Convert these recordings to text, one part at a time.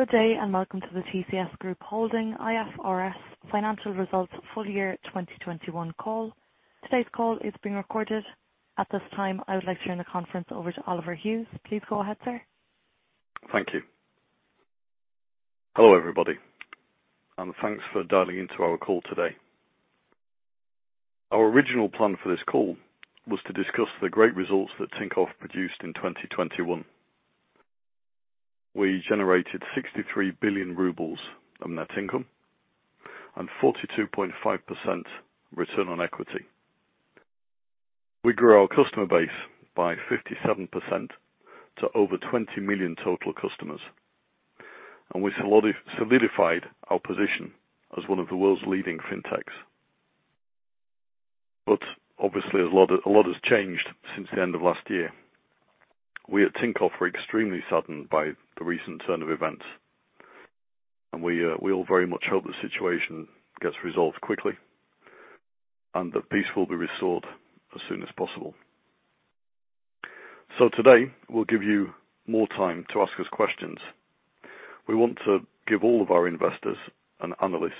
Good day, and welcome to the TCS Group Holding IFRS Financial Results Full Year 2021 Call. Today's call is being recorded. At this time, I would like to turn the conference over to Oliver Hughes. Please go ahead, sir. Thank you. Hello, everybody, and thanks for dialing into our call today. Our original plan for this call was to discuss the great results that Tinkoff produced in 2021. We generated 63 billion rubles of net income and 42.5% return on equity. We grew our customer base by 57% to over 20 million total customers, and we solidified our position as one of the world's leading fintechs. Obviously a lot has changed since the end of last year. We at Tinkoff are extremely saddened by the recent turn of events, and we all very much hope the situation gets resolved quickly and that peace will be restored as soon as possible. Today, we'll give you more time to ask us questions. We want to give all of our investors and analysts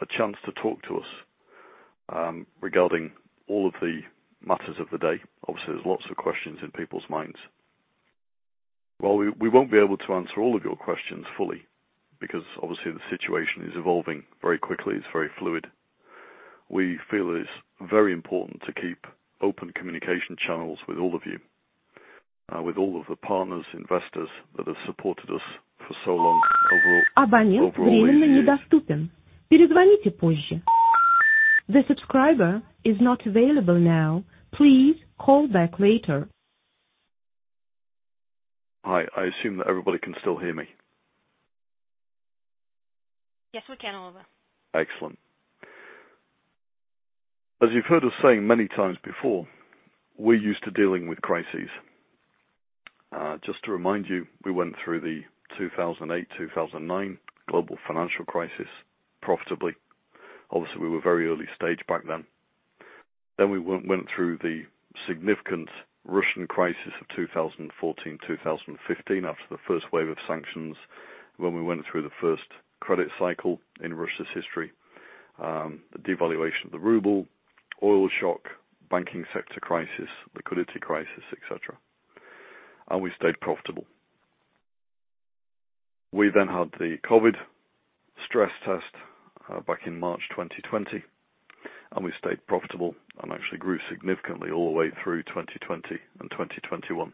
a chance to talk to us regarding all of the matters of the day. Obviously, there's lots of questions in people's minds. While we won't be able to answer all of your questions fully because obviously the situation is evolving very quickly, it's very fluid, we feel it's very important to keep open communication channels with all of you, with all of the partners, investors that have supported us for so long overall. Overall we The subscriber is not available now. Please call back later. Hi. I assume that everybody can still hear me. Yes, we can, Oliver. Excellent. As you've heard us say many times before, we're used to dealing with crises. Just to remind you, we went through the 2008-2009 global financial crisis profitably. Obviously, we were very early stage back then. We went through the significant Russian crisis of 2014-2015 after the first wave of sanctions, when we went through the first credit cycle in Russia's history, the devaluation of the ruble, oil shock, banking sector crisis, liquidity crisis, et cetera, and we stayed profitable. We had the COVID stress test back in March 2020, and we stayed profitable and actually grew significantly all the way through 2020 and 2021.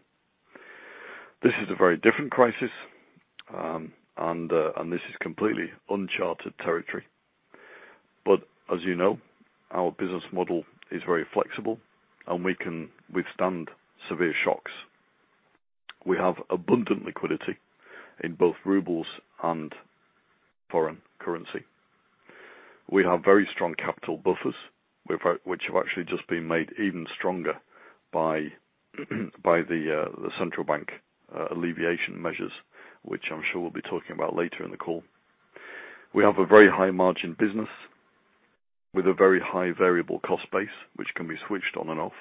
This is a very different crisis, and this is completely uncharted territory. As you know, our business model is very flexible, and we can withstand severe shocks. We have abundant liquidity in both rubles and foreign currency. We have very strong capital buffers, which have actually just been made even stronger by the Central Bank alleviation measures, which I'm sure we'll be talking about later in the call. We have a very high margin business with a very high variable cost base, which can be switched on and off,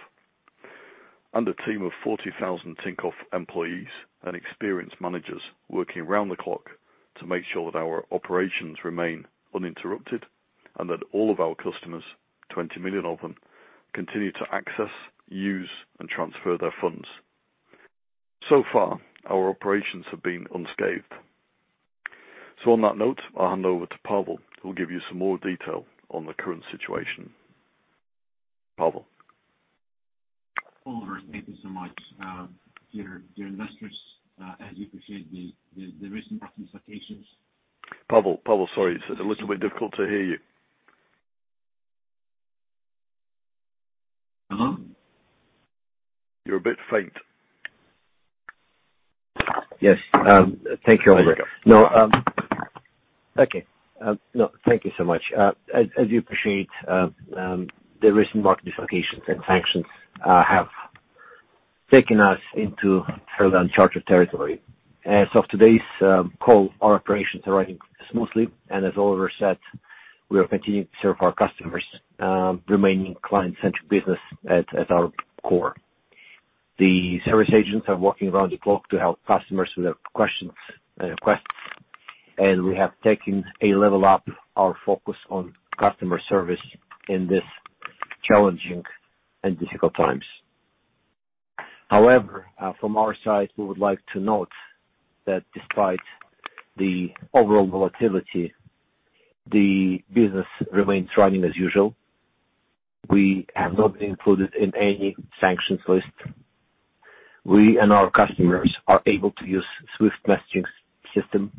and a team of 40,000 Tinkoff employees and experienced managers working around the clock to make sure that our operations remain uninterrupted and that all of our customers, 20 million of them, continue to access, use, and transfer their funds. So far, our operations have been unscathed. On that note, I'll hand over to Pavel, who will give you some more detail on the current situation. Pavel. Oliver, thank you so much. Dear investors, as you appreciate the recent market fluctuations. Pavel, sorry. It's a little bit difficult to hear you. Hello? You're a bit faint. Yes, thank you, Oliver. There you go. Thank you so much. As you appreciate, the recent market dislocations and sanctions have taken us into fairly uncharted territory. As of today's call, our operations are running smoothly, and as Oliver said, we are continuing to serve our customers, remaining client-centric business at our core. The service agents are working around the clock to help customers with their questions and requests, and we have taken a level up our focus on customer service in this challenging and difficult times. However, from our side, we would like to note that despite the overall volatility, the business remains running as usual. We have not been included in any sanctions list. We and our customers are able to use SWIFT messaging system,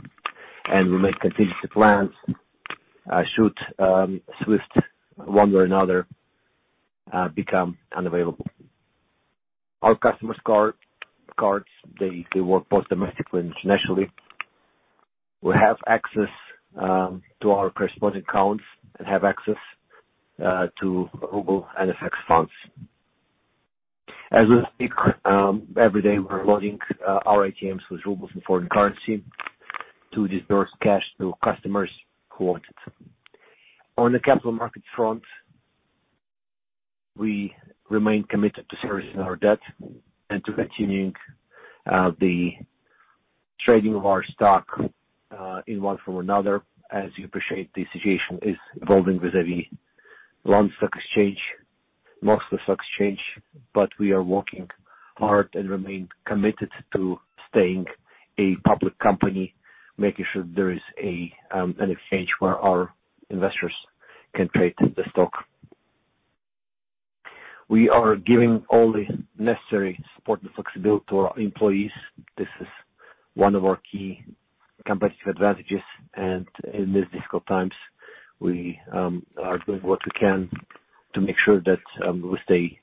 and we may continue to plan should SWIFT one way or another become unavailable. Our customers' cards work both domestically and internationally. We have access to our correspondent accounts and have access to ruble and FX funds. As we speak, every day we're loading our ATMs with rubles and foreign currency to disperse cash to customers who want it. On the capital markets front. We remain committed to servicing our debt and to continuing the trading of our stock in one form or another. As you appreciate, the situation is evolving vis-à-vis London Stock Exchange, Moscow Exchange, but we are working hard and remain committed to staying a public company, making sure there is an exchange where our investors can trade the stock. We are giving all the necessary support and flexibility to our employees. This is one of our key competitive advantages, and in these difficult times, we are doing what we can to make sure that we stay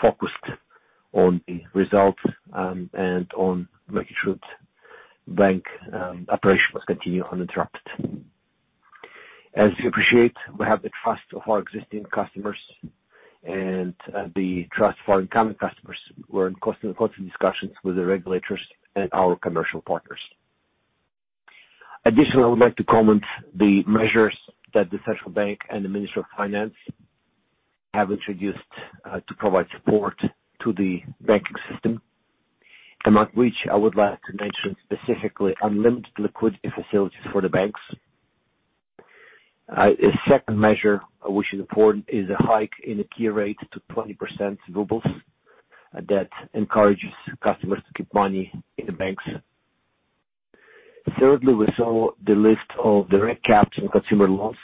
focused on the results and on making sure that bank operations continue uninterrupted. As you appreciate, we have the trust of our existing customers and the trust for incoming customers. We're in constant discussions with the regulators and our commercial partners. Additionally, I would like to comment on the measures that the Central Bank and the Ministry of Finance have introduced to provide support to the banking system, among which I would like to mention specifically unlimited liquidity facilities for the banks. A second measure which is important is a hike in the key rate to 20%, that encourages customers to keep money in the banks. Thirdly, we saw the lift of direct caps on consumer loans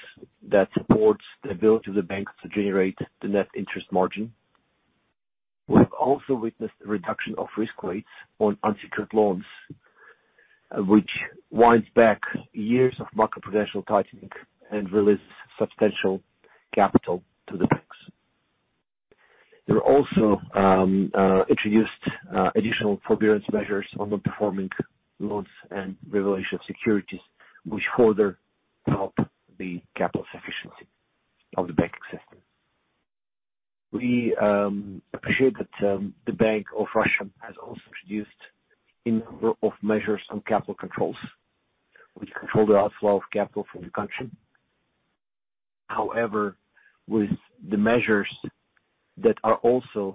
that supports the ability of the banks to generate the net interest margin. We have also witnessed a reduction of risk rates on unsecured loans, which winds back years of macroprudential tightening and releases substantial capital to the banks. There are also additional forbearance measures on non-performing loans and revaluation of securities, which further help the capital efficiency of the banking system. We appreciate that the Bank of Russia has also introduced a number of measures on capital controls, which control the outflow of capital from the country. However, with the measures that are also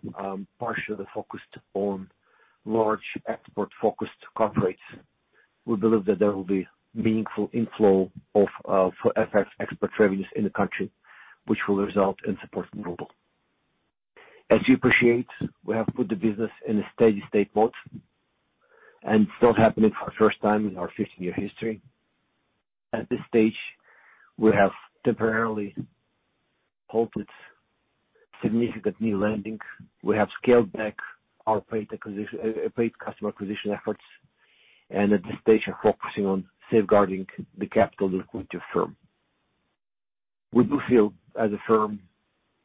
partially focused on large export-focused corporates, we believe that there will be meaningful inflow of FX for export revenues in the country, which will result in support in the ruble. As you appreciate, we have put the business in a steady-state mode, and it's not happening for the first time in our 15-year history. At this stage, we have temporarily halted significant new lending. We have scaled back our paid customer acquisition efforts, and at this stage are focusing on safeguarding the capital liquidity of the firm. We do feel, as a firm,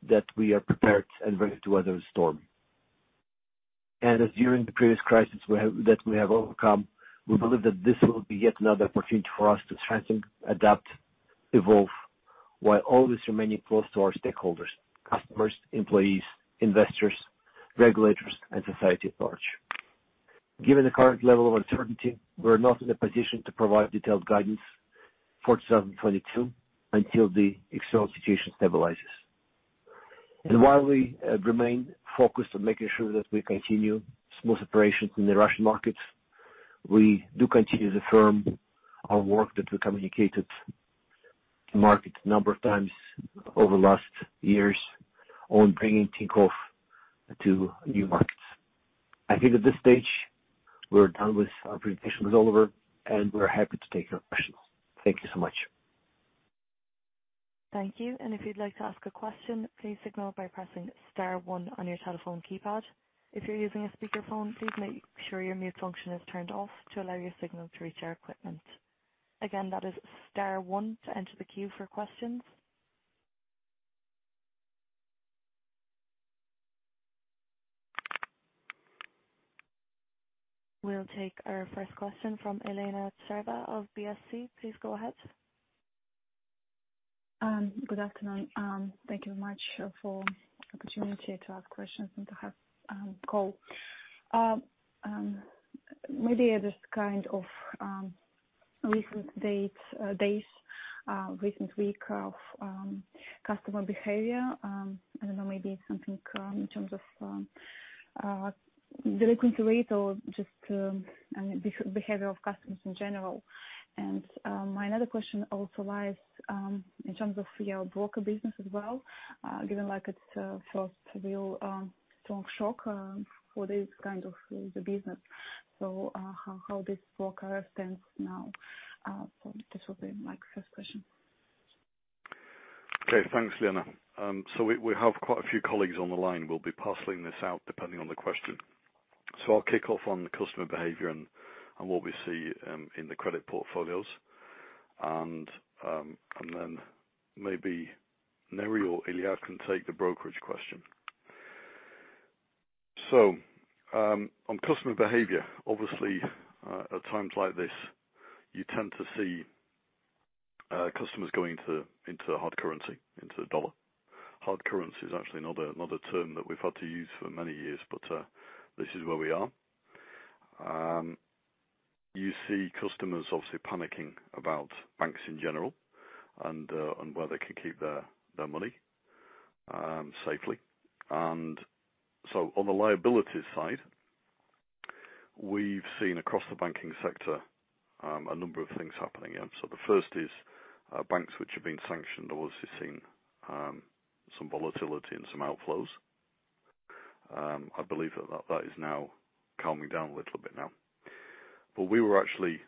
that we are prepared and ready to weather the storm. As during the previous crisis we have that we have overcome, we believe that this will be yet another opportunity for us to strengthen, adapt, evolve, while always remaining close to our stakeholders, customers, employees, investors, regulators, and society at large. Given the current level of uncertainty, we're not in a position to provide detailed guidance for 2022 until the external situation stabilizes. While we remain focused on making sure that we continue smooth operations in the Russian markets, we do continue to affirm our work that we communicated to the market a number of times over the last years on bringing Tinkoff to new markets. I think at this stage our presentation is over, and we're happy to take your questions. Thank you so much. Thank you. If you'd like to ask a question, please signal by pressing star one on your telephone keypad. If you're using a speakerphone, please make sure your mute function is turned off to allow your signal to reach our equipment. Again, that is star one to enter the queue for questions. We'll take our first question from Elena Tsareva of BCS. Please go ahead. Good afternoon. Thank you much for opportunity to ask questions and to have call. Maybe just kind of recent date days recent week of customer behavior. I don't know, maybe something in terms of delinquency rate or just I mean behavior of customers in general. My another question also lies in terms of your broker business as well, given like it's first real strong shock for this kind of the business. How this broker stands now? This will be my first question. Okay. Thanks, Elena. We have quite a few colleagues on the line. We'll be parceling this out depending on the question. I'll kick off on the customer behavior and what we see in the credit portfolios, and then maybe Neri or Ilya can take the brokerage question. On customer behavior, obviously, at times like this, you tend to see customers going into hard currency, into dollar. Hard currency is actually not a term that we've had to use for many years, but this is where we are. You see customers obviously panicking about banks in general and where they can keep their money safely. On the liabilities side, we've seen across the banking sector a number of things happening. The first is banks which have been sanctioned, obviously, seen some volatility and some outflows. I believe that is now calming down a little bit now. But we were actually,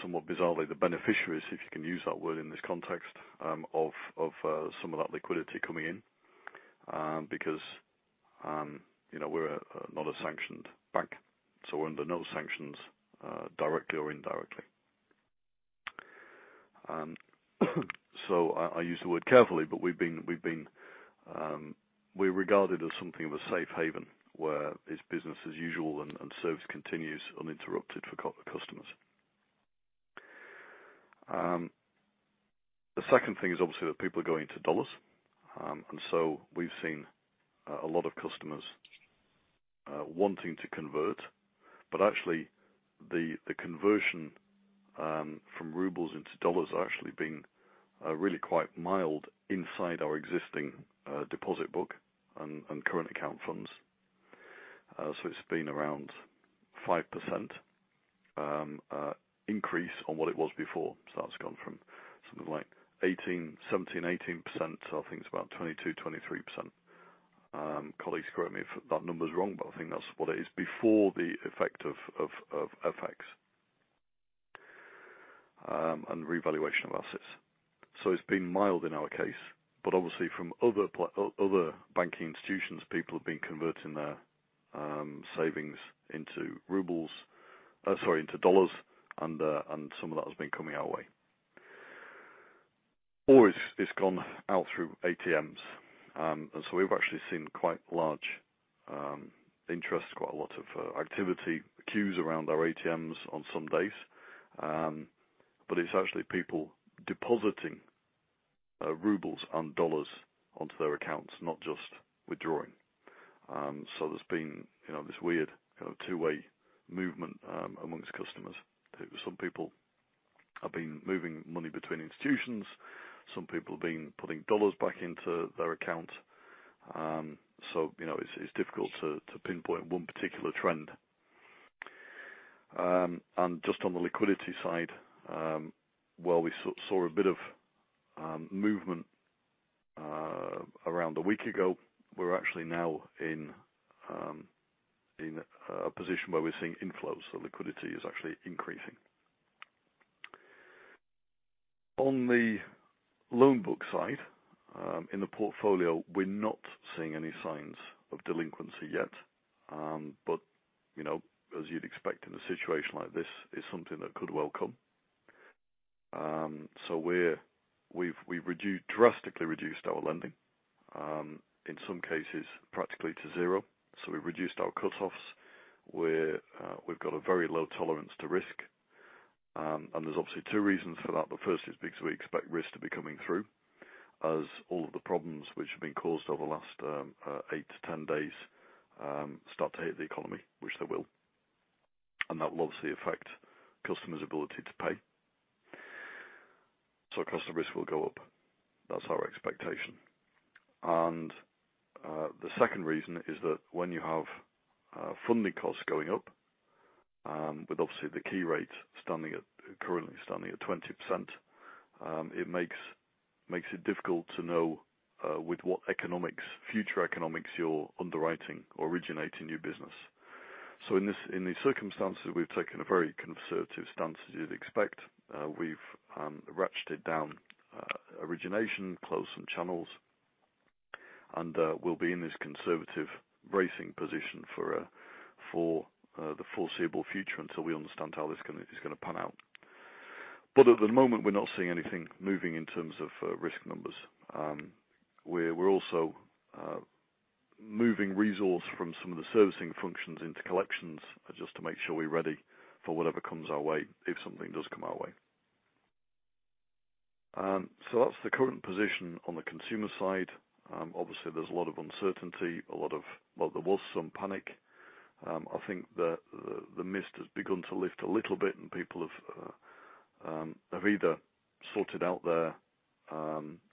somewhat bizarrely, the beneficiaries, if you can use that word in this context, of some of that liquidity coming in because you know we're not a sanctioned bank, so we're under no sanctions directly or indirectly. I use the word carefully, but we're regarded as something of a safe haven where it's business as usual and service continues uninterrupted for customers. The second thing is obviously that people are going to dollars. We've seen a lot of customers wanting to convert, but actually the conversion from rubles into dollars are actually being really quite mild inside our existing deposit book and current account funds. It's been around 5% increase on what it was before. That's gone from something like 17%-18%, I think it's about 22%-23%. Colleagues correct me if that number's wrong, but I think that's what it is, before the effect of FX and revaluation of assets. It's been mild in our case, but obviously from other banking institutions, people have been converting their savings into dollars. Some of that has been coming our way. It's gone out through ATMs. We've actually seen quite large interest, quite a lot of activity queues around our ATMs on some days. It's actually people depositing rubles and dollars onto their accounts, not just withdrawing. There's been, you know, this weird kind of two-way movement amongst customers. Some people have been moving money between institutions, some people have been putting dollars back into their account. It's difficult to pinpoint one particular trend. Just on the liquidity side, while we saw a bit of movement around a week ago, we're actually now in a position where we're seeing inflows. Liquidity is actually increasing. On the loan book side, in the portfolio, we're not seeing any signs of delinquency yet. You know, as you'd expect in a situation like this, it's something that could well come. We've reduced, drastically reduced our lending in some cases practically to zero. We've reduced our cutoffs. We've got a very low tolerance to risk. There's obviously two reasons for that. The first is because we expect risk to be coming through as all of the problems which have been caused over the last 8-10 days start to hit the economy, which they will. That will obviously affect customers' ability to pay. Customer risk will go up. That's our expectation. The second reason is that when you have funding costs going up with obviously the key rate standing at currently standing at 20%, it makes it difficult to know with what economics, future economics you're underwriting or originating new business. In this, in these circumstances, we've taken a very conservative stance, as you'd expect. We've ratcheted down origination, closed some channels, and we'll be in this conservative bracing position for the foreseeable future until we understand how it's gonna pan out. At the moment, we're not seeing anything moving in terms of risk numbers. We're also moving resource from some of the servicing functions into collections just to make sure we're ready for whatever comes our way if something does come our way. That's the current position on the consumer side. Obviously there's a lot of uncertainty. Well, there was some panic. I think the mist has begun to lift a little bit and people have either sorted out their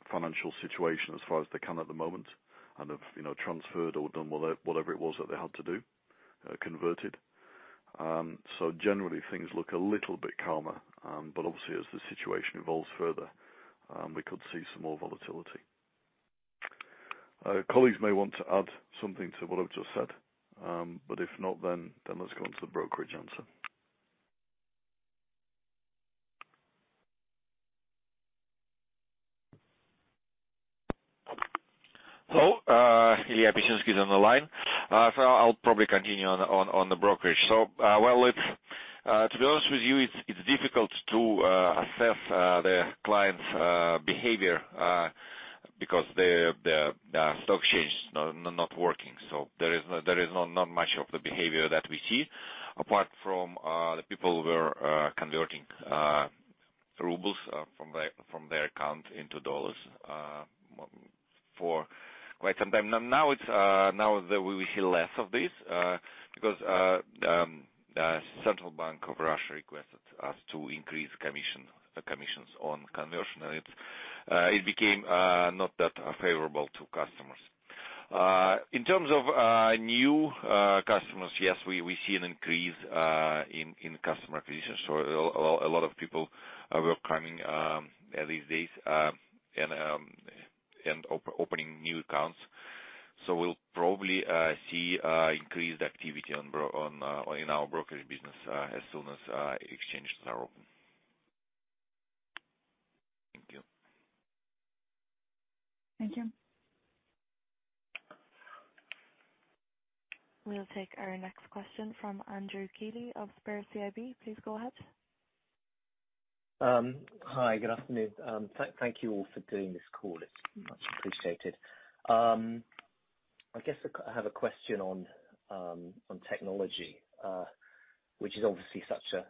financial situation as far as they can at the moment and have, you know, transferred or done whatever it was that they had to do, converted. Generally things look a little bit calmer. Obviously as the situation evolves further, we could see some more volatility. Colleagues may want to add something to what I've just said, but if not, then let's go onto the brokerage answer. Hello. Ilya Pisemsky is on the line. I'll probably continue on the brokerage. Well, to be honest with you, it's difficult to assess the clients' behavior because the stock exchange is not working, so there is not much of the behavior that we see apart from the people who are converting rubles from their account into dollars for quite some time. Now we hear less of this because the Central Bank of Russia requested us to increase the commissions on conversion, and it became not that favorable to customers. In terms of new customers, yes, we see an increase in customer acquisitions. A lot of people were coming these days and opening new accounts. We'll probably see increased activity in our brokerage business as soon as exchanges are open. Thank you. Thank you. We'll take our next question from Andrew Keeley of Sberbank CIB, please go ahead. Hi, good afternoon. Thank you all for doing this call. It's much appreciated. I guess I have a question on technology, which is obviously such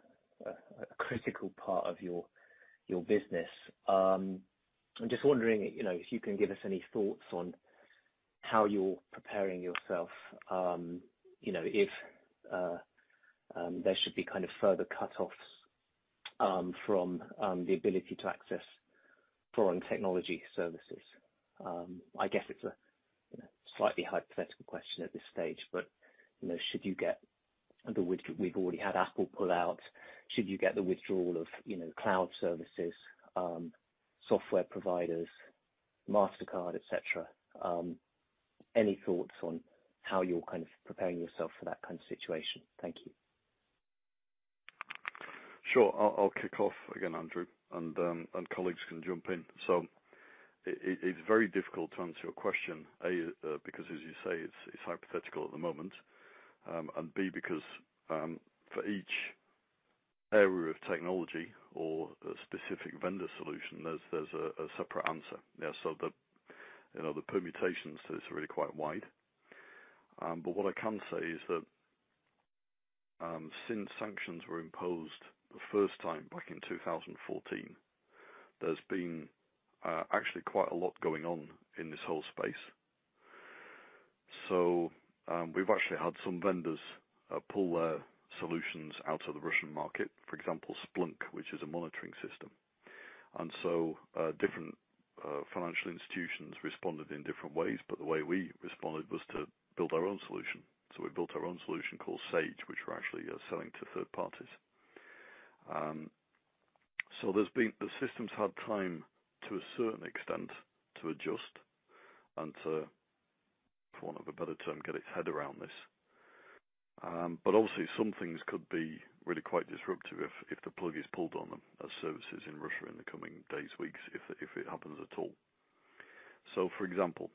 a critical part of your business. I'm just wondering, you know, if you can give us any thoughts on how you're preparing yourself, you know, if there should be kind of further cutoffs from the ability to access foreign technology services. I guess it's a slightly hypothetical question at this stage, but, you know, we've already had Apple pull out. Should you get the withdrawal of, you know, cloud services, software providers, Mastercard, et cetera, any thoughts on how you're kind of preparing yourself for that kind of situation? Thank you. Sure. I'll kick off again, Andrew, and colleagues can jump in. It's very difficult to answer your question, A, because as you say, it's hypothetical at the moment, and B, because for each area of technology or a specific vendor solution, there's a separate answer. Yeah, so you know, the permutations to this are really quite wide. What I can say is that since sanctions were imposed the first time back in 2014, there's been actually quite a lot going on in this whole space. We've actually had some vendors pull their solutions out of the Russian market, for example, Splunk, which is a monitoring system. Different financial institutions responded in different ways, but the way we responded was to build our own solution. We built our own solution called Sage, which we're actually selling to third parties. There's been time for the system, to a certain extent, to adjust and, for want of a better term, get its head around this. Obviously some things could be really quite disruptive if the plug is pulled on them as services in Russia in the coming days, weeks if it happens at all. For example,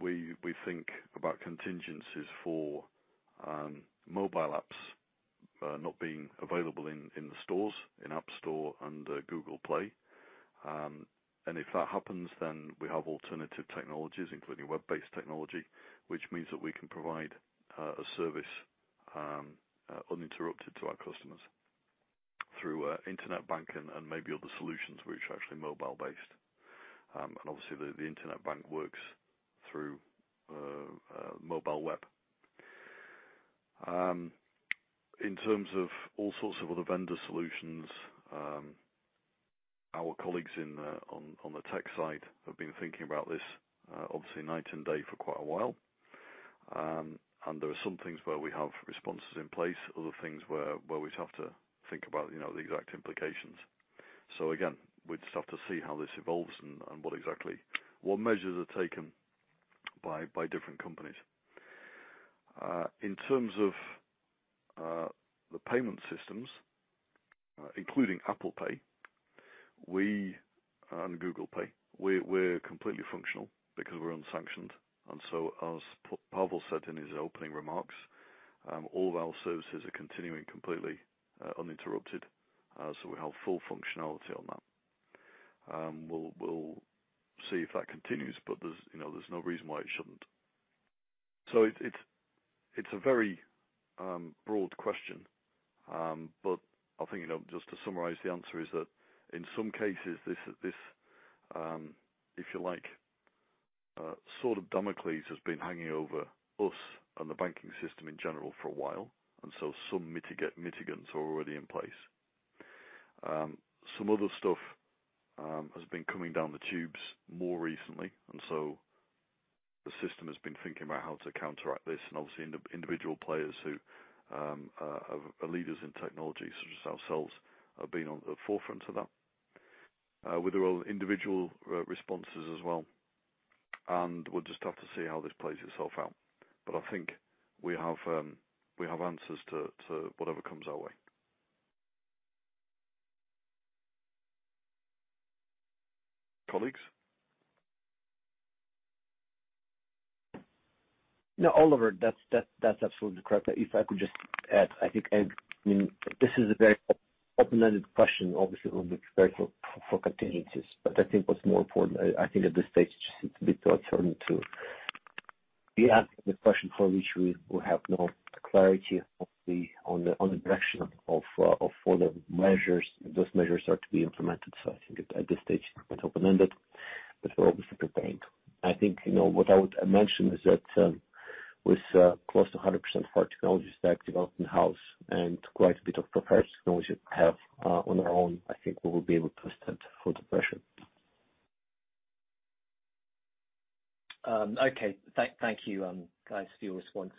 we think about contingencies for mobile apps not being available in the stores, in App Store and Google Play. If that happens, then we have alternative technologies, including web-based technology, which means that we can provide a service uninterrupted to our customers through internet banking and maybe other solutions which are actually mobile based. Obviously the internet bank works through mobile web. In terms of all sorts of other vendor solutions, our colleagues on the tech side have been thinking about this obviously night and day for quite a while. There are some things where we have responses in place, other things where we just have to think about, you know, the exact implications. Again, we'd just have to see how this evolves and exactly what measures are taken by different companies. In terms of the payment systems, including Apple Pay and Google Pay, we're completely functional because we're unsanctioned. As Pavel said in his opening remarks, all of our services are continuing completely uninterrupted. We have full functionality on that. We'll see if that continues, but there's, you know, no reason why it shouldn't. It's a very broad question. I think, you know, just to summarize, the answer is that in some cases, this, if you like, sword of Damocles has been hanging over us and the banking system in general for a while, and some mitigants are already in place. Some other stuff has been coming down the pike more recently, and the system has been thinking about how to counteract this. Obviously individual players who are leaders in technology, such as ourselves, have been on the forefront of that with their own individual responses as well. We'll just have to see how this plays itself out. I think we have answers to whatever comes our way. Colleagues? No, Oliver, that's absolutely correct. If I could just add, I think, I mean, this is a very open-ended question. Obviously, it will be very for contingencies, but I think what's more important, I think at this stage it's a bit too early to We ask the question for which we have no clarity on the direction of all the measures, those measures are to be implemented. I think at this stage it's open-ended, but we're obviously preparing. I think, you know, what I would mention is that, with close to 100% of our technology stack developed in-house and quite a bit of prepared technology we have on our own, I think we will be able to withstand the pressure. Okay. Thank you, guys, for your response.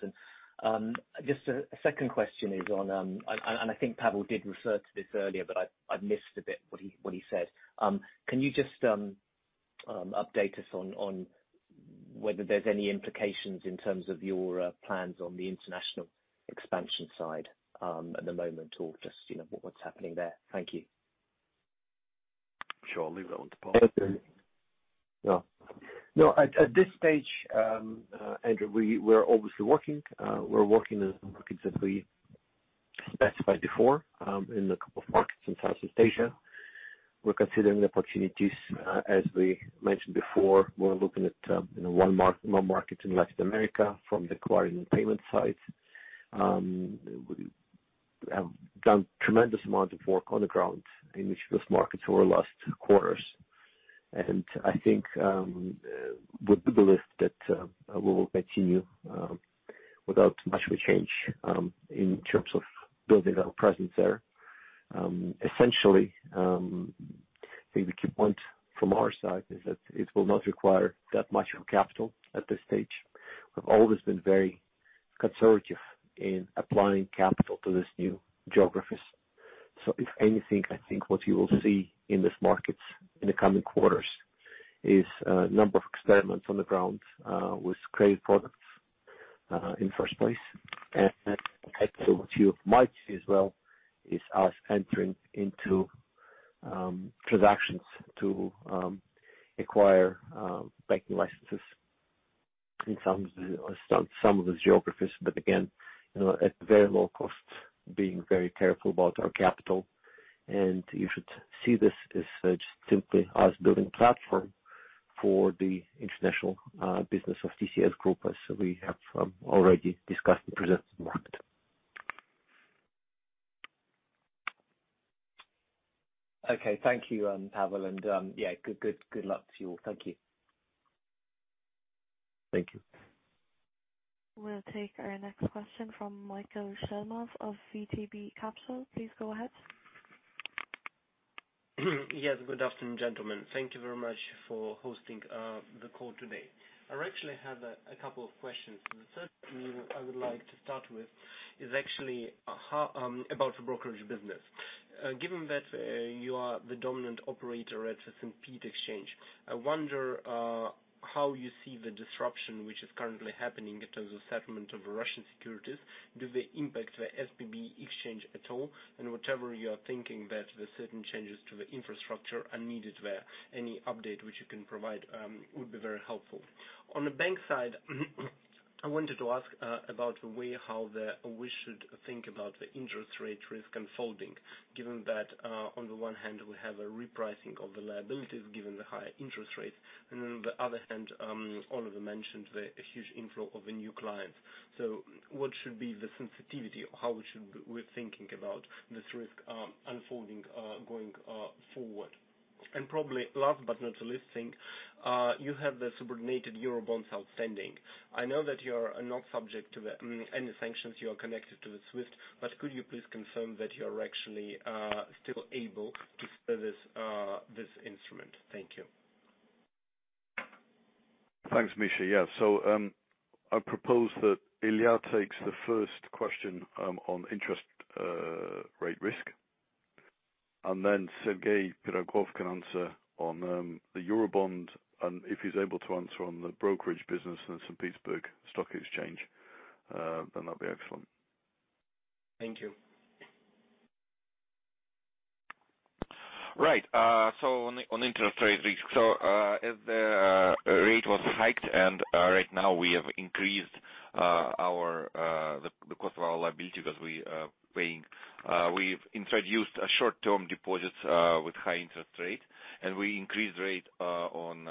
Just a second question is on, and I think Pavel did refer to this earlier, but I missed a bit what he said. Can you just update us on whether there's any implications in terms of your plans on the international expansion side, at the moment, or just, you know, what's happening there? Thank you. Sure. I'll leave that one to Pavel. No. At this stage, Andrew, we're obviously working. We're working as we specifically specified before, in a couple of markets in Southeast Asia. We're considering the opportunities, as we mentioned before. We're looking at, you know, one market in Latin America from the acquiring payment side. We have done tremendous amount of work on the ground in each of those markets over the last two quarters. I think we're bullish that we will continue without much of a change in terms of building our presence there. Essentially, I think the key point from our side is that it will not require that much of capital at this stage. We've always been very conservative in applying capital to these new geographies. If anything, I think what you will see in these markets in the coming quarters is number of experiments on the ground with credit products in first place. Actually what you might see as well is us entering into transactions to acquire banking licenses in some of the geographies, but again, you know, at very low cost, being very careful about our capital. You should see this as just simply us building platform for the international business of TCS Group as we have already discussed and presented to the market. Okay. Thank you, Pavel, and yeah, good luck to you all. Thank you. Thank you. We'll take our next question from Mikhail Shlemov of VTB Capital. Please go ahead. Yes, good afternoon, gentlemen. Thank you very much for hosting the call today. I actually have a couple of questions. The first one I would like to start with is actually how about brokerage business. Given that you are the dominant operator at the SPB Exchange, I wonder how you see the disruption which is currently happening in terms of settlement of Russian securities. Do they impact the SPB Exchange at all? Whatever you are thinking that the certain changes to the infrastructure are needed there, any update which you can provide would be very helpful. On the bank side, I wanted to ask about the way we should think about the interest rate risk unfolding, given that on the one hand we have a repricing of the liabilities given the higher interest rates, and on the other hand, Oliver mentioned a huge inflow of the new clients. What should be the sensitivity or how we should think about this risk unfolding going forward? And probably last but not the least thing, you have the subordinated Eurobonds outstanding. I know that you're not subject to any sanctions, you are connected to SWIFT, but could you please confirm that you're actually still able to sell this instrument? Thank you. Thanks, Misha. Yeah. I propose that Ilya takes the first question on interest rate risk, and then Sergei Pirogov can answer on the Eurobond, and if he's able to answer on the brokerage business in St. Petersburg Stock Exchange, then that'd be excellent. Thank you. On interest rate risk. As the rate was hiked, and right now we have increased the cost of our liability that we are paying. We've introduced a short-term deposits with high interest rate, and we increased rate on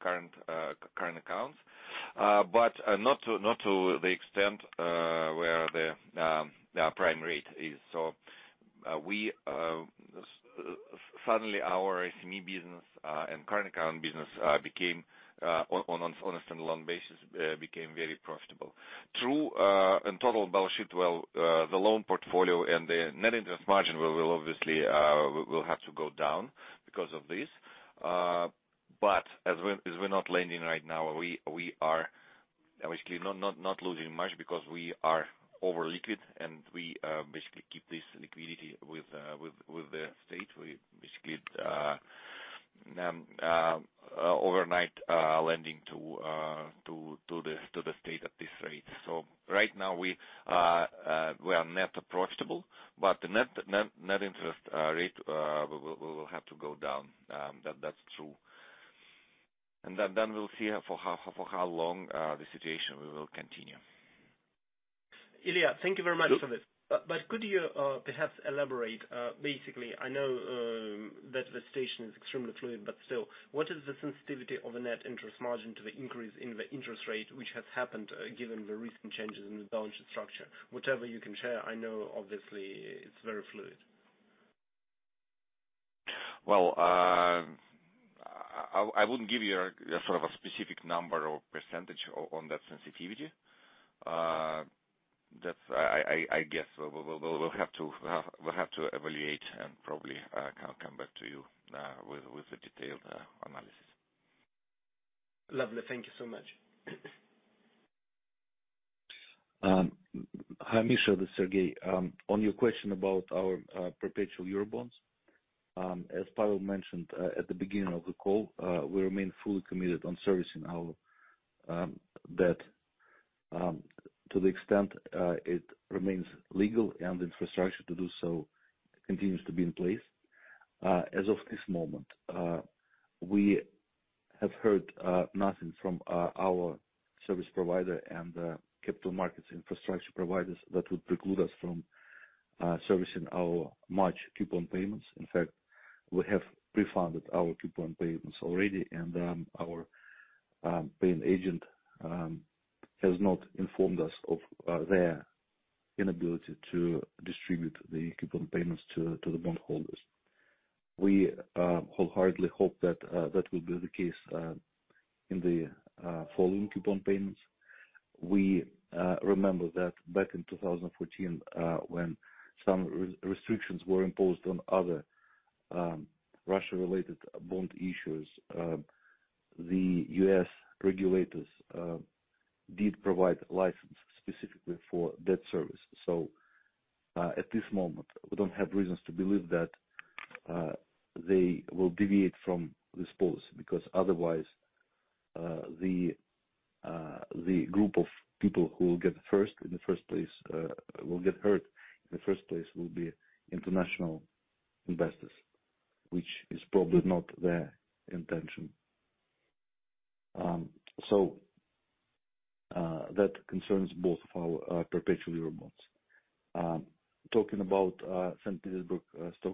current accounts. But not to the extent where the prime rate is. We suddenly our SME business and current account business became on a long basis very profitable. Through in total balance sheet, well, the loan portfolio and the net interest margin will obviously have to go down because of this. As we're not lending right now, we are basically not losing much because we are over-liquid, and we basically keep this liquidity with the state. We basically overnight lending to the state at this rate. Right now we are net profitable, but the net interest rate will have to go down. That's true. Then we'll see for how long the situation will continue. Ilya, thank you very much for this. Could you perhaps elaborate, basically I know that the situation is extremely fluid, but still, what is the sensitivity of a net interest margin to the increase in the interest rate which has happened, given the recent changes in the balance sheet structure? Whatever you can share. I know obviously it's very fluid. Well, I wouldn't give you a sort of a specific number or percentage on that sensitivity. That's, I guess we'll have to evaluate and probably come back to you with the detailed analysis. Lovely. Thank you so much. Hi, Misha, this is Sergei. On your question about our perpetual Eurobonds, as Pavel mentioned at the beginning of the call, we remain fully committed to servicing our debt to the extent it remains legal and the infrastructure to do so continues to be in place. As of this moment, we have heard nothing from our service provider and capital markets infrastructure providers that would preclude us from servicing our March coupon payments. In fact, we have prefunded our coupon payments already and our paying agent has not informed us of their inability to distribute the coupon payments to the bond holders. We wholeheartedly hope that will be the case in the following coupon payments. We remember that back in 2014, when some restrictions were imposed on other Russia-related bond issues, the U.S. regulators did provide license specifically for debt service. At this moment, we don't have reasons to believe that they will deviate from this policy because otherwise, the group of people who will get hurt in the first place will be international investors, which is probably not their intention. That concerns both of our perpetual Eurobonds. Talking about SPB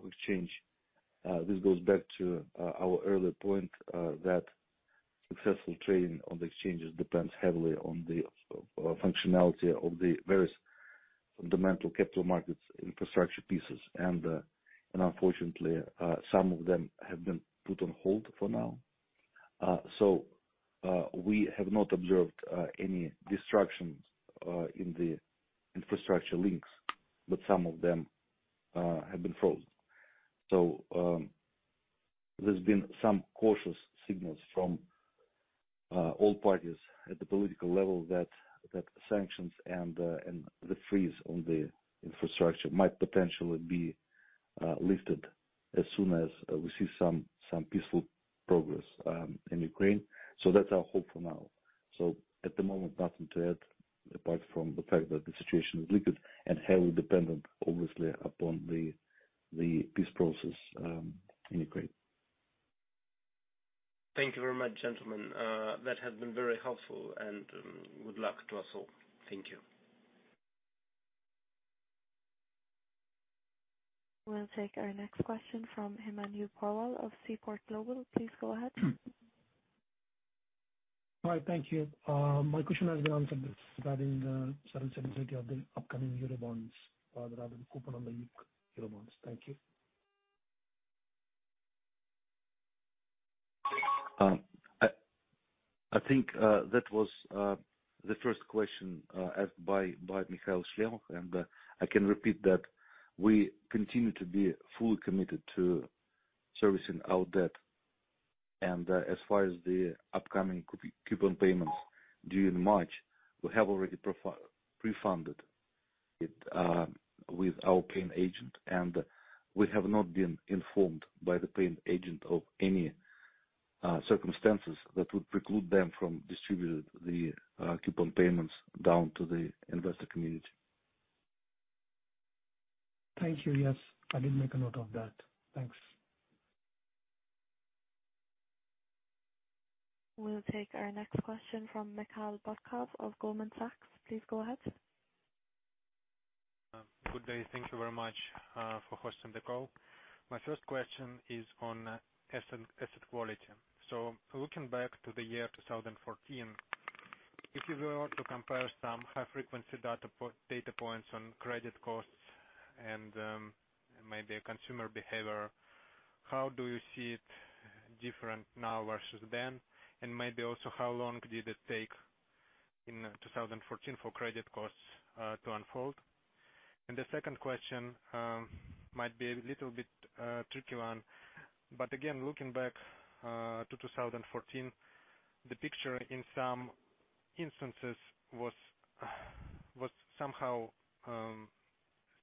Exchange, this goes back to our earlier point that successful trading on the exchanges depends heavily on the functionality of the various fundamental capital markets infrastructure pieces and unfortunately some of them have been put on hold for now. We have not observed any disruptions in the infrastructure links, but some of them have been frozen. There's been some cautious signals from all parties at the political level that sanctions and the freeze on the infrastructure might potentially be lifted as soon as we see some peaceful progress in Ukraine. That's our hope for now. At the moment, nothing to add apart from the fact that the situation is liquid and heavily dependent, obviously, upon the peace process in Ukraine. Thank you very much, gentlemen. That has been very helpful and good luck to us all. Thank you. We'll take our next question from Himanshu Porwal of Seaport Global. Please go ahead. All right. Thank you. My question has been answered regarding the certainty of the upcoming Eurobonds, rather the coupon on the Eurobonds. Thank you. I think that was the first question asked by Mikhail Shlemov. I can repeat that we continue to be fully committed to servicing our debt. As far as the upcoming coupon payments during March, we have already prefunded it with our paying agent, and we have not been informed by the paying agent of any circumstances that would preclude them from distributing the coupon payments down to the investor community. Thank you. Yes, I did make a note of that. Thanks. We'll take our next question from Mikhail Butkov of Goldman Sachs. Please go ahead. Good day. Thank you very much for hosting the call. My first question is on asset quality. Looking back to the year 2014, if you were to compare some high-frequency data points on credit costs and maybe consumer behavior, how do you see it different now versus then? Maybe also how long did it take in 2014 for credit costs to unfold? The second question might be a little bit tricky one, but again, looking back to 2014, the picture in some instances was somehow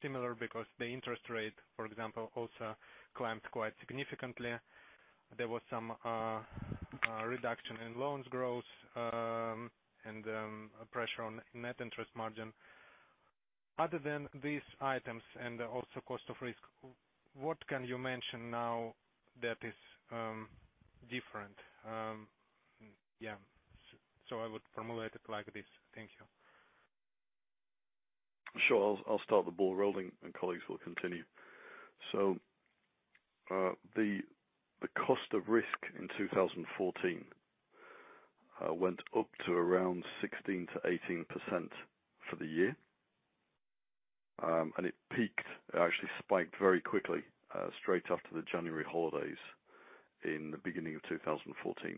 similar because the interest rate, for example, also climbed quite significantly. There was some reduction in loans growth and pressure on net interest margin. Other than these items and also cost of risk, what can you mention now that is different? Yeah. I would formulate it like this. Thank you. Sure. I'll start the ball rolling, and colleagues will continue. The cost of risk in 2014 went up to around 16%-18% for the year. It peaked, actually spiked very quickly, straight after the January holidays in the beginning of 2014.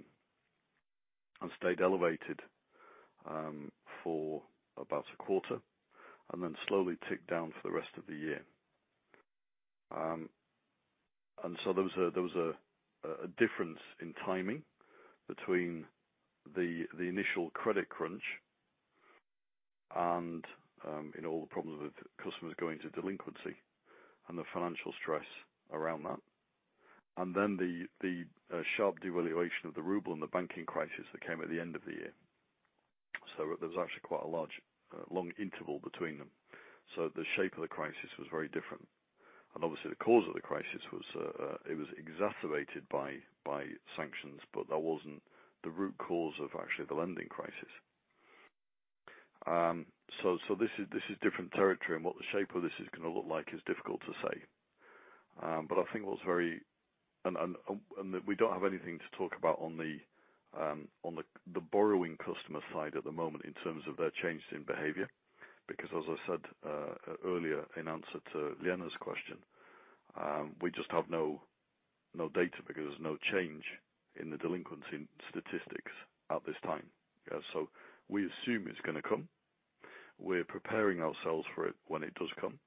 It stayed elevated for about a quarter, and then slowly ticked down for the rest of the year. There was a difference in timing between the initial credit crunch and in all the problems with customers going to delinquency and the financial stress around that, and then the sharp devaluation of the ruble and the banking crisis that came at the end of the year. There was actually quite a large long interval between them. The shape of the crisis was very different. Obviously the cause of the crisis was exacerbated by sanctions, but that wasn't the root cause of actually the lending crisis. This is different territory, and what the shape of this is gonna look like is difficult to say. We don't have anything to talk about on the borrowing customer side at the moment in terms of their changes in behavior, because as I said earlier in answer to Elena's question, we just have no data because there's no change in the delinquency statistics at this time. Yeah, we assume it's gonna come. We're preparing ourselves for it when it does come.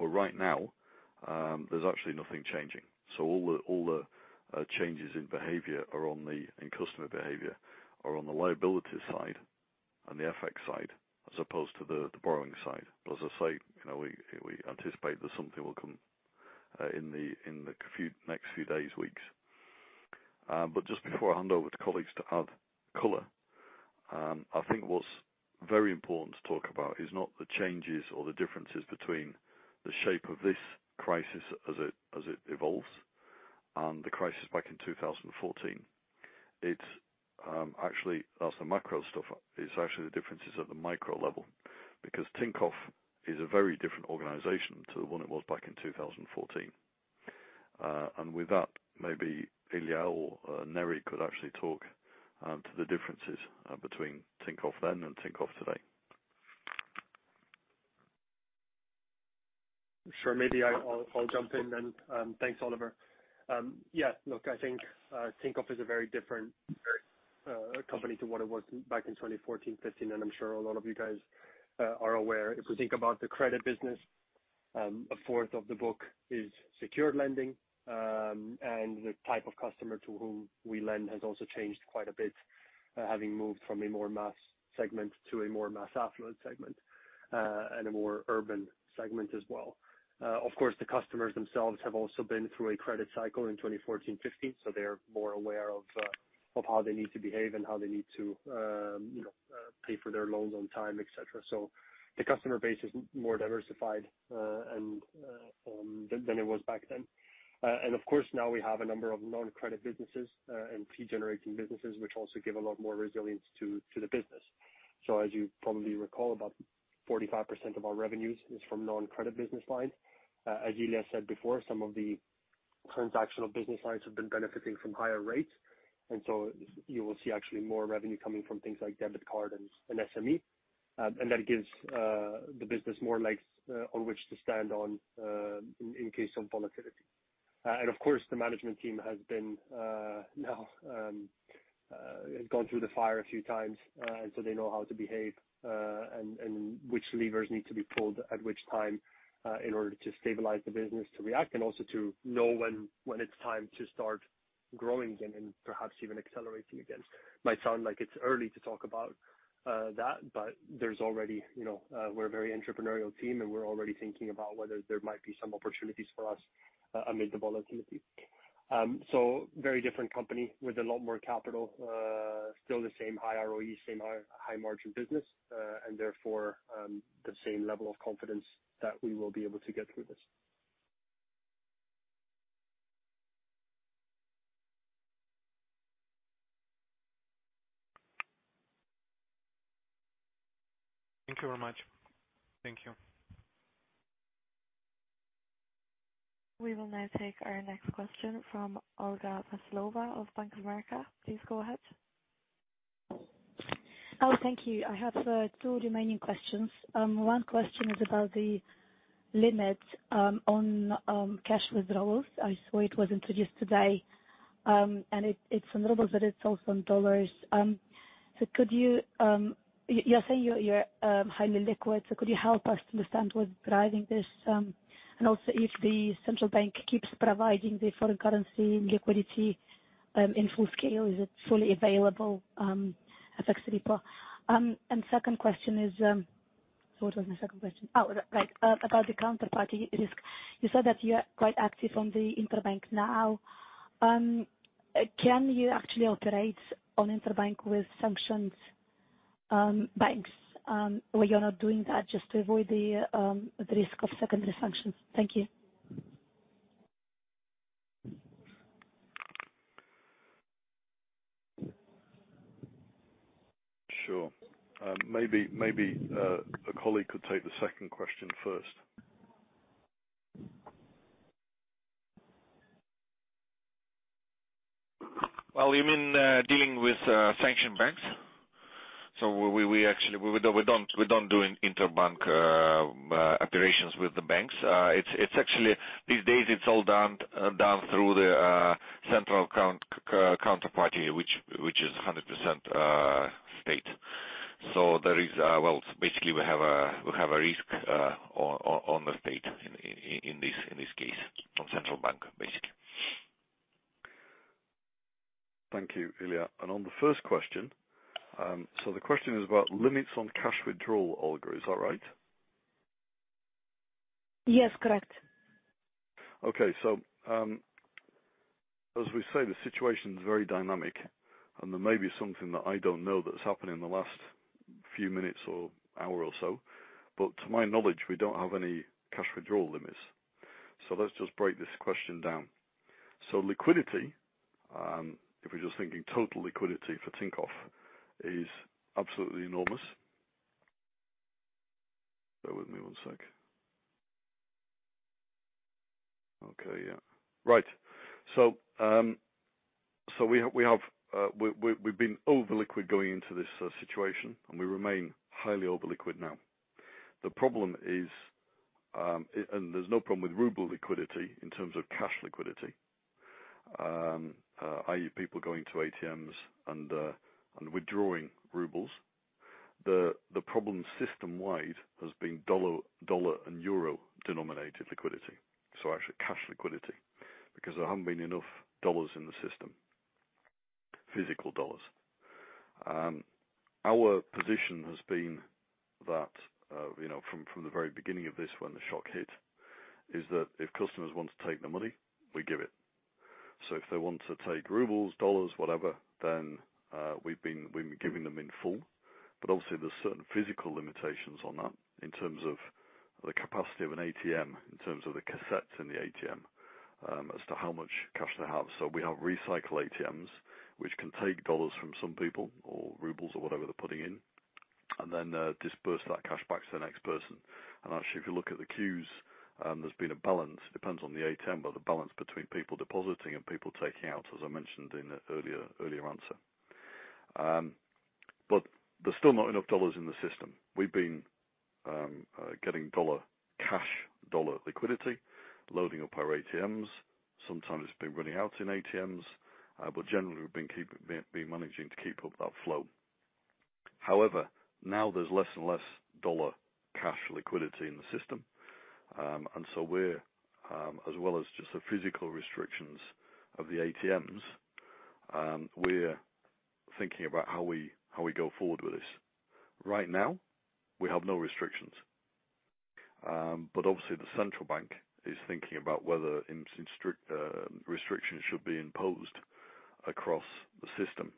Right now, there's actually nothing changing. All the changes in customer behavior are on the liability side and the FX side as opposed to the borrowing side. As I say, you know, we anticipate that something will come in the next few days, weeks. Just before I hand over to colleagues to add color, I think what's very important to talk about is not the changes or the differences between the shape of this crisis as it evolves and the crisis back in 2014. It's actually that's the macro stuff. It's actually the differences at the micro level, because Tinkoff is a very different organization to the one it was back in 2014. With that, maybe Ilya or Neri could actually talk to the differences between Tinkoff then and Tinkoff today. Sure. Maybe I'll jump in then. Thanks, Oliver. Yeah, look, I think Tinkoff is a very different company to what it was back in 2014, 2015, and I'm sure a lot of you guys are aware. If we think about the credit business, a fourth of the book is secured lending, and the type of customer to whom we lend has also changed quite a bit, having moved from a more mass segment to a more mass affluent segment, and a more urban segment as well. Of course, the customers themselves have also been through a credit cycle in 2014, 2015, so they're more aware of how they need to behave and how they need to, you know, pay for their loans on time, et cetera. The customer base is more diversified than it was back then. Of course, now we have a number of non-credit businesses and fee generating businesses which also give a lot more resilience to the business. As you probably recall, about 45% of our revenues is from non-credit business lines. As Ilya said before, some of the transactional business lines have been benefiting from higher rates, and so you will see actually more revenue coming from things like debit card and SME. That gives the business more legs on which to stand on in case of volatility. Of course, the management team has been gone through the fire a few times, and so they know how to behave, and which levers need to be pulled at which time, in order to stabilize the business, to react, and also to know when it's time to start growing again and perhaps even accelerating again. Might sound like it's early to talk about that, but there's already, you know, we're a very entrepreneurial team, and we're already thinking about whether there might be some opportunities for us amid the volatility. Very different company with a lot more capital. Still the same high ROE, same high margin business, and therefore, the same level of confidence that we will be able to get through this. Thank you very much. Thank you. We will now take our next question from Olga Veselova of Bank of America. Please go ahead. Oh, thank you. I have two remaining questions. One question is about the limit on cash withdrawals. I saw it was introduced today, and it's in rubles, but it's also in dollars. You're saying you're highly liquid, so could you help us understand what's driving this, and also if the Central Bank keeps providing the foreign currency liquidity in full scale, is it fully available, FX liquidity? Second question is... So what was my second question? Oh, right. About the counterparty risk. You said that you are quite active on the interbank now. Can you actually operate on interbank with sanctioned banks, where you're not doing that just to avoid the risk of secondary sanctions? Thank you. Sure. Maybe a colleague could take the second question first. Well, you mean dealing with sanctioned banks? We actually don't do interbank operations with the banks. It's actually these days all done through the central counterparty which is 100% state. Basically, we have a risk on the state in this case, on the Central Bank. Thank you, Ilya. On the first question, so the question is about limits on cash withdrawal, Olga, is that right? Yes. Correct. Okay. As we say, the situation's very dynamic, and there may be something that I don't know that's happened in the last few minutes or hour or so, but to my knowledge, we don't have any cash withdrawal limits. Let's just break this question down. Liquidity, if we're just thinking total liquidity for Tinkoff, is absolutely enormous. Bear with me one sec. Okay. Yeah. Right. We've been over liquid going into this situation, and we remain highly over liquid now. The problem is, and there's no problem with ruble liquidity in terms of cash liquidity. i.e., people going to ATMs and withdrawing rubles. The problem system-wide has been dollar and euro denominated liquidity, so actually cash liquidity because there haven't been enough dollars in the system, physical dollars. Our position has been that, you know, from the very beginning of this when the shock hit, is that if customers want to take their money, we give it. If they want to take rubles, dollars, whatever, then we've been giving them in full. But obviously there's certain physical limitations on that in terms of the capacity of an ATM, in terms of the cassettes in the ATM, as to how much cash they have. We have recycle ATMs, which can take dollars from some people, or rubles or whatever they're putting in, and then disperse that cash back to the next person. Actually, if you look at the queues, there's been a balance. Depends on the ATM, but the balance between people depositing and people taking out, as I mentioned in the earlier answer. There's still not enough dollars in the system. We've been getting dollar cash dollar liquidity loading up our ATMs. Sometimes it's been running out in ATMs, but generally we've been managing to keep up that flow. However, now there's less and less dollar cash liquidity in the system. As well as just the physical restrictions of the ATMs, we're thinking about how we go forward with this. Right now we have no restrictions. Obviously the Central Bank is thinking about whether introduce restrictions should be imposed across the system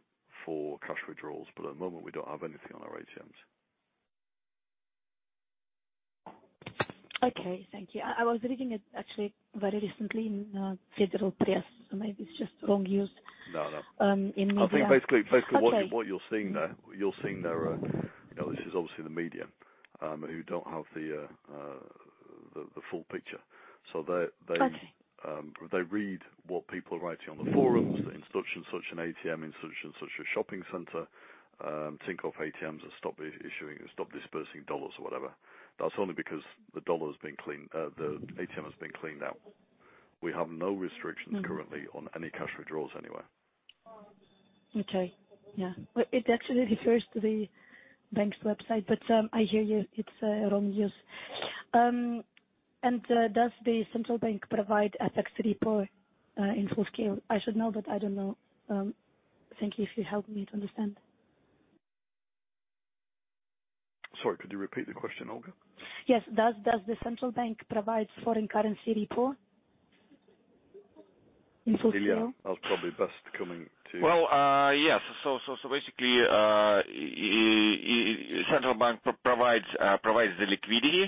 for cash withdrawals. At the moment, we don't have anything on our ATMs. Okay. Thank you. I was reading it actually very recently in Federal Press, so maybe it's just wrong news. No. in media. I think basically what you Okay... what you're seeing there, you know, this is obviously the media, who don't have the full picture. They- Okay They read what people are writing on the forums that in such and such an ATM, in such and such a shopping center, Tinkoff ATMs have stopped dispensing dollars or whatever. That's only because the dollar's been cleaned out. The ATM has been cleaned out. We have no restrictions. Mm-hmm Currently on any cash withdrawals anywhere. Okay. Yeah. Well, it actually refers to the bank's website, but I hear you. It's wrong news. Does the Central Bank provide a tax repo in full scale? I should know, but I don't know. Thank you if you help me to understand. Sorry, could you repeat the question, Olga? Yes. Does the Central Bank provide foreign currency repo in full scale? Ilya, I'll probably best coming to. Well, yes. Basically, central bank provides the liquidity.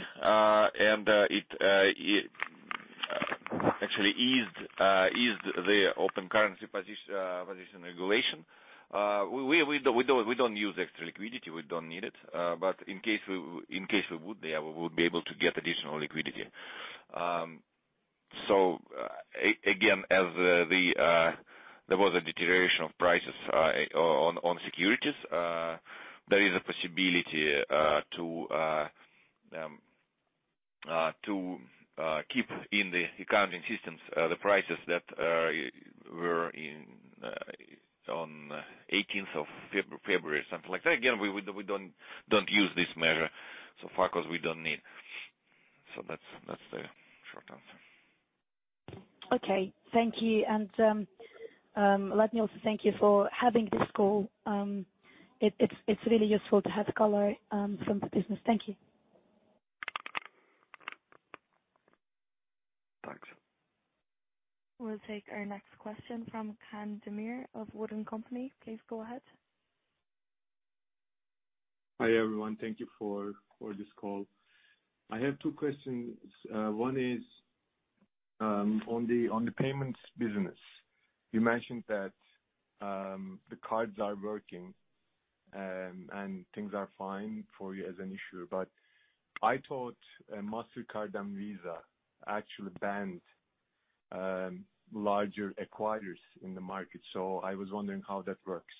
It actually eased the open currency position regulation. We don't use extra liquidity. We don't need it. In case we would, we would be able to get additional liquidity. Again, there was a deterioration of prices on securities. There is a possibility to keep in the accounting systems the prices that were on eighteenth of February, something like that. Again, we don't use this measure so far 'cause we don't need. That's the short answer. Okay. Thank you. Let me also thank you for having this call. It's really useful to have color from the business. Thank you. Thanks. We'll take our next question from Can Demir of Wood & Company. Please go ahead. Hi, everyone. Thank you for this call. I have two questions. One is on the payments business. You mentioned that the cards are working and things are fine for you as an issuer, but I thought Mastercard and Visa actually banned larger acquirers in the market, so I was wondering how that works.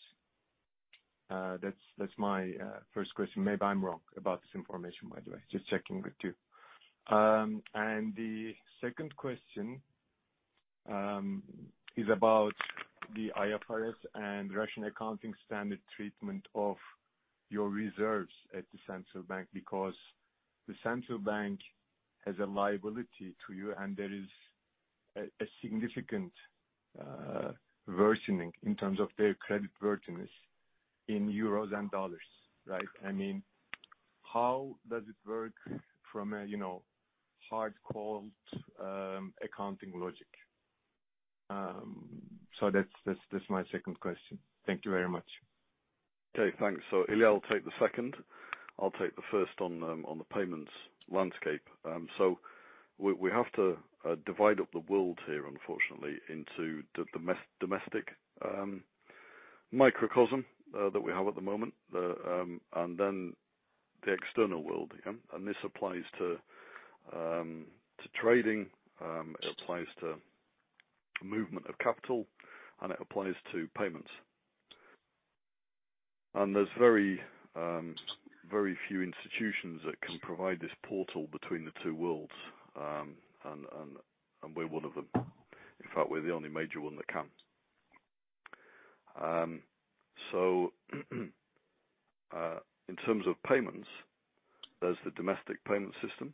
That's my first question. Maybe I'm wrong about this information by the way, just checking with you. The second question is about the IFRS and Russian accounting standard treatment of your reserves at the Central Bank, because the Central Bank has a liability to you and there is a significant divergence in terms of their credit worthiness in euros and dollars, right? I mean, how does it work from a hard call accounting logic? That's my second question. Thank you very much. Okay, thanks. Ilya will take the second. I'll take the first on the payments landscape. We have to divide up the world here unfortunately into the domestic microcosm that we have at the moment and then the external world. This applies to trading. It applies to movement of capital, and it applies to payments. There's very few institutions that can provide this portal between the two worlds. We're one of them. In fact, we're the only major one that can. In terms of payments, there's the domestic payment system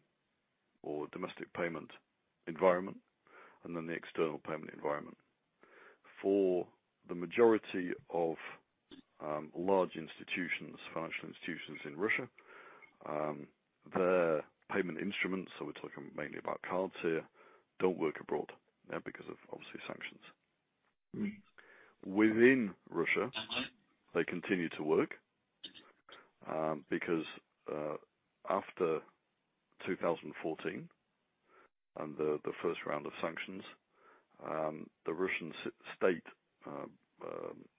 or domestic payment environment, and then the external payment environment. For the majority of large institutions, financial institutions in Russia, their payment instruments, so we're talking mainly about cards here, don't work abroad, yeah, because of obviously sanctions. Mm-hmm. Within Russia, they continue to work because after 2014 and the first round of sanctions, the Russian state,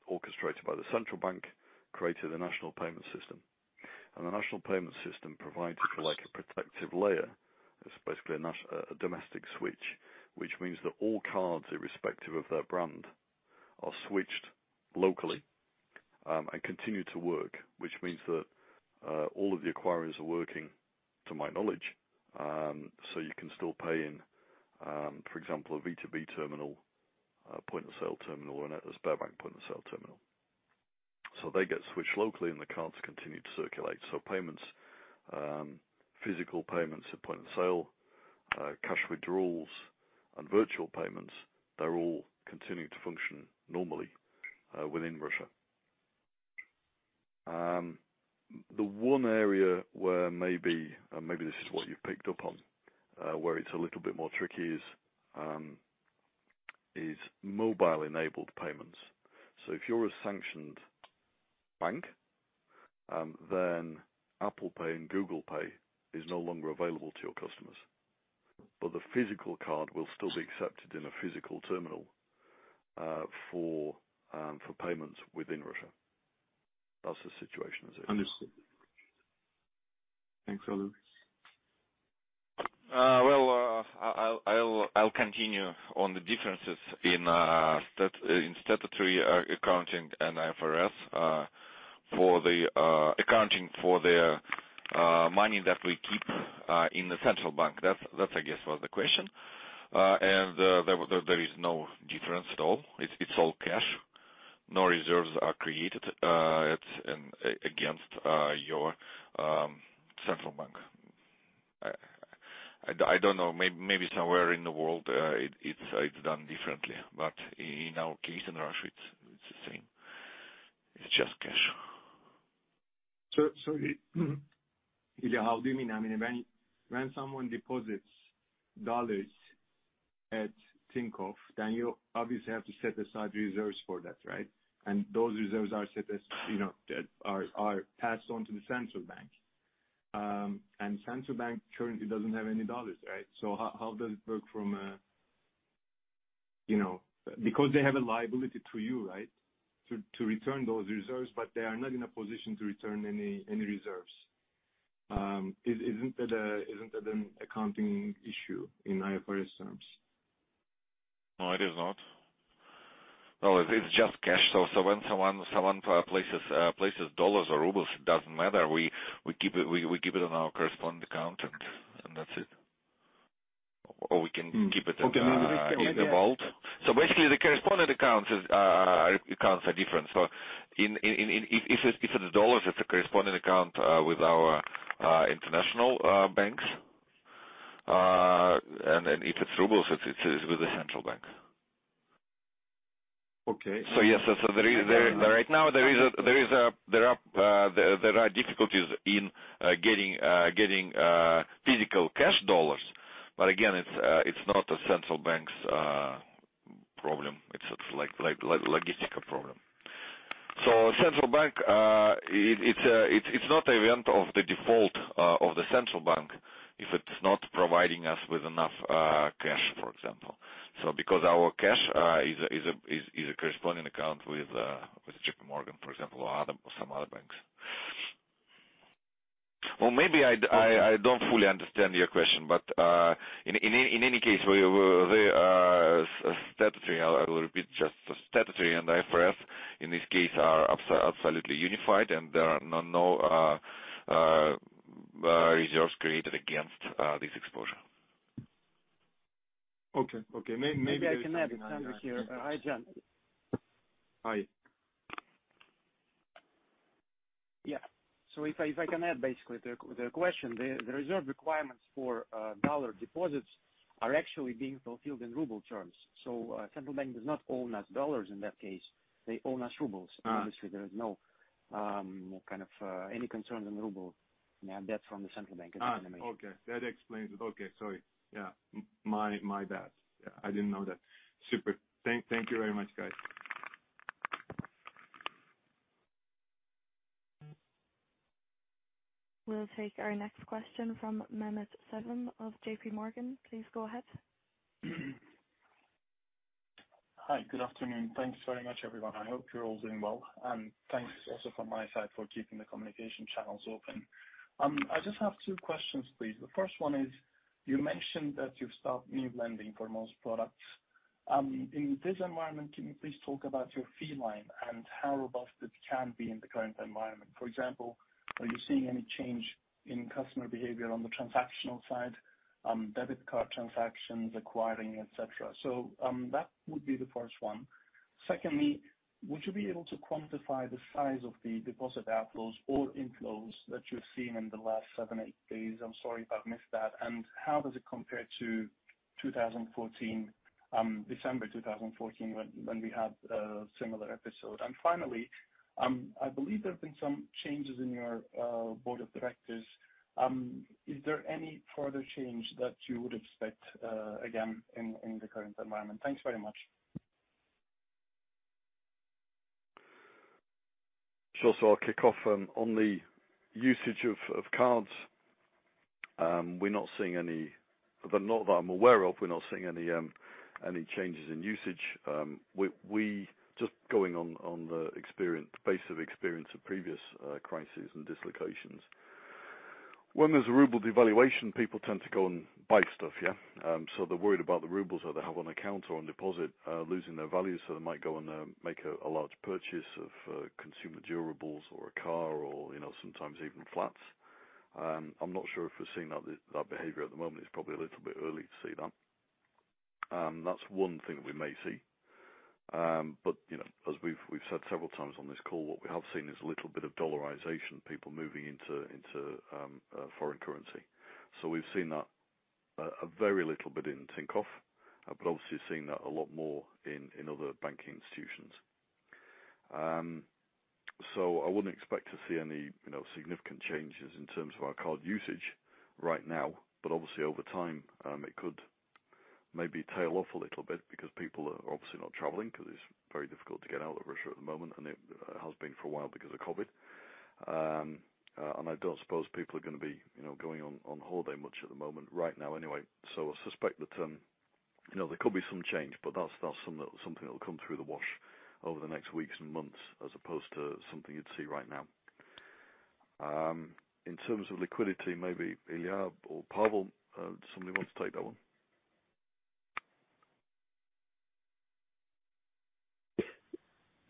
orchestrated by the Central Bank, created a national payment system. The national payment system provides like a protective layer. It's basically a domestic switch, which means that all cards, irrespective of their brand, are switched locally and continue to work, which means that all of the acquirers are working to my knowledge. You can still pay in, for example, a VTB terminal, point of sale terminal, or a Sberbank point of sale terminal. They get switched locally and the cards continue to circulate. Payments, physical payments at point of sale, cash withdrawals and virtual payments, they're all continuing to function normally within Russia. The one area where maybe, and maybe this is what you've picked up on, where it's a little bit more tricky is mobile-enabled payments. If you're a sanctioned bank, then Apple Pay and Google Pay is no longer available to your customers. The physical card will still be accepted in a physical terminal for payments within Russia. That's the situation as it is. Understood. Thanks a lot. I'll continue on the differences in statutory accounting and IFRS for the accounting for the money that we keep in the Central Bank. That's, I guess, what was the question. There is no difference at all. It's all cash. No reserves are created against your Central Bank. I don't know, maybe somewhere in the world it's done differently. In our case in Russia, it's the same. It's just cash. Ilya, how do you mean? I mean, when someone deposits dollars at Tinkoff, then you obviously have to set aside reserves for that, right? Those reserves are set as, you know, that are passed on to the Central Bank. Central Bank currently doesn't have any dollars, right? How does it work from a you know, because they have a liability to you, right? To return those reserves, but they are not in a position to return any reserves. Isn't that an accounting issue in IFRS terms? No, it is not. Well, it's just cash. When someone places dollars or rubles, it doesn't matter. We keep it in our correspondent account and that's it. We can keep it in Okay. In the vault. Basically, the correspondent accounts are different. In if it's dollars, it's a correspondent account with our international banks. If it's rubles, it's with the Central Bank. Okay. Yes. There are difficulties right now in getting physical cash dollars. Again, it's not the Central Bank's problem. It's like a logistical problem. Central Bank, it's not an event of default of the Central Bank if it's not providing us with enough cash, for example. Because our cash is a corresponding account with JPMorgan, for example, or some other banks. Well, maybe I don't fully understand your question, but in any case, we are statutory. I will repeat just the statutory and IFRS in this case are absolutely unified, and there are no reserves created against this exposure. Okay. Maybe I can. Maybe I can add, it's Andrey here. Hi, Can. Hi. If I can add basically to the question, the reserve requirements for dollar deposits are actually being fulfilled in ruble terms. Central Bank does not own US dollars in that case. They own Russian rubles. Ah. Obviously, there is no kind of any concern in the ruble debt from the Central Bank anyway. Okay. That explains it. Okay. Sorry. Yeah. My bad. Yeah, I didn't know that. Super. Thank you very much, guys. We'll take our next question from Mehmet Sevim of JPMorgan. Please go ahead. Hi. Good afternoon. Thanks very much, everyone. I hope you're all doing well. Thanks also from my side for keeping the communication channels open. I just have two questions, please. The first one is, you mentioned that you've stopped new lending for most products. In this environment, can you please talk about your fee line and how robust it can be in the current environment? For example, are you seeing any change in customer behavior on the transactional side, debit card transactions, acquiring, et cetera? That would be the first one. Secondly, would you be able to quantify the size of the deposit outflows or inflows that you've seen in the last Seven to eight days? I'm sorry if I've missed that. How does it compare to 2014, December 2014 when we had a similar episode? Finally, I believe there have been some changes in your board of directors. Is there any further change that you would expect again in the current environment? Thanks very much. Sure. I'll kick off on the usage of cards. Not that I'm aware of, we're not seeing any changes in usage. We're just going on the basis of experience of previous crises and dislocations. When there's a ruble devaluation, people tend to go and buy stuff, yeah? They're worried about the rubles that they have on account or on deposit losing their value, so they might go and make a large purchase of consumer durables or a car or, you know, sometimes even flats. I'm not sure if we're seeing that behavior at the moment. It's probably a little bit early to see that. That's one thing that we may see. you know, as we've said several times on this call, what we have seen is a little bit of dollarization, people moving into foreign currency. We've seen that, a very little bit in Tinkoff, but obviously seeing that a lot more in other banking institutions. I wouldn't expect to see any, you know, significant changes in terms of our card usage right now. Obviously over time, it could maybe tail off a little bit because people are obviously not traveling because it's very difficult to get out of Russia at the moment, and it has been for a while because of COVID. I don't suppose people are gonna be, you know, going on holiday much at the moment right now anyway. I suspect that, you know, there could be some change, but that's something that will come through the wash over the next weeks and months as opposed to something you'd see right now. In terms of liquidity, maybe Ilya or Pavel, somebody wants to take that one.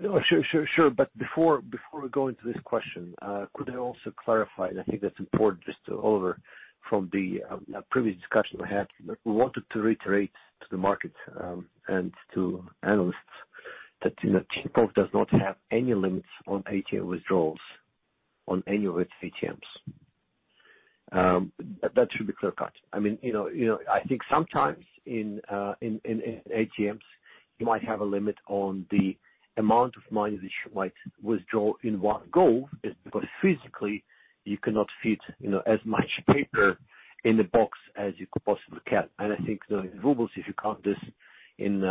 No. Sure. Before we go into this question, could I also clarify? I think that's important just to Oliver from the previous discussion we had. We wanted to reiterate to the market and to analysts that, you know, Tinkoff does not have any limits on ATM withdrawals on any of its ATMs. That should be clear-cut. I mean, you know, I think sometimes in ATMs, you might have a limit on the amount of money that you might withdraw in one go because physically you cannot fit, you know, as much paper in the box as you could possibly can. I think that in rubles, if you count this in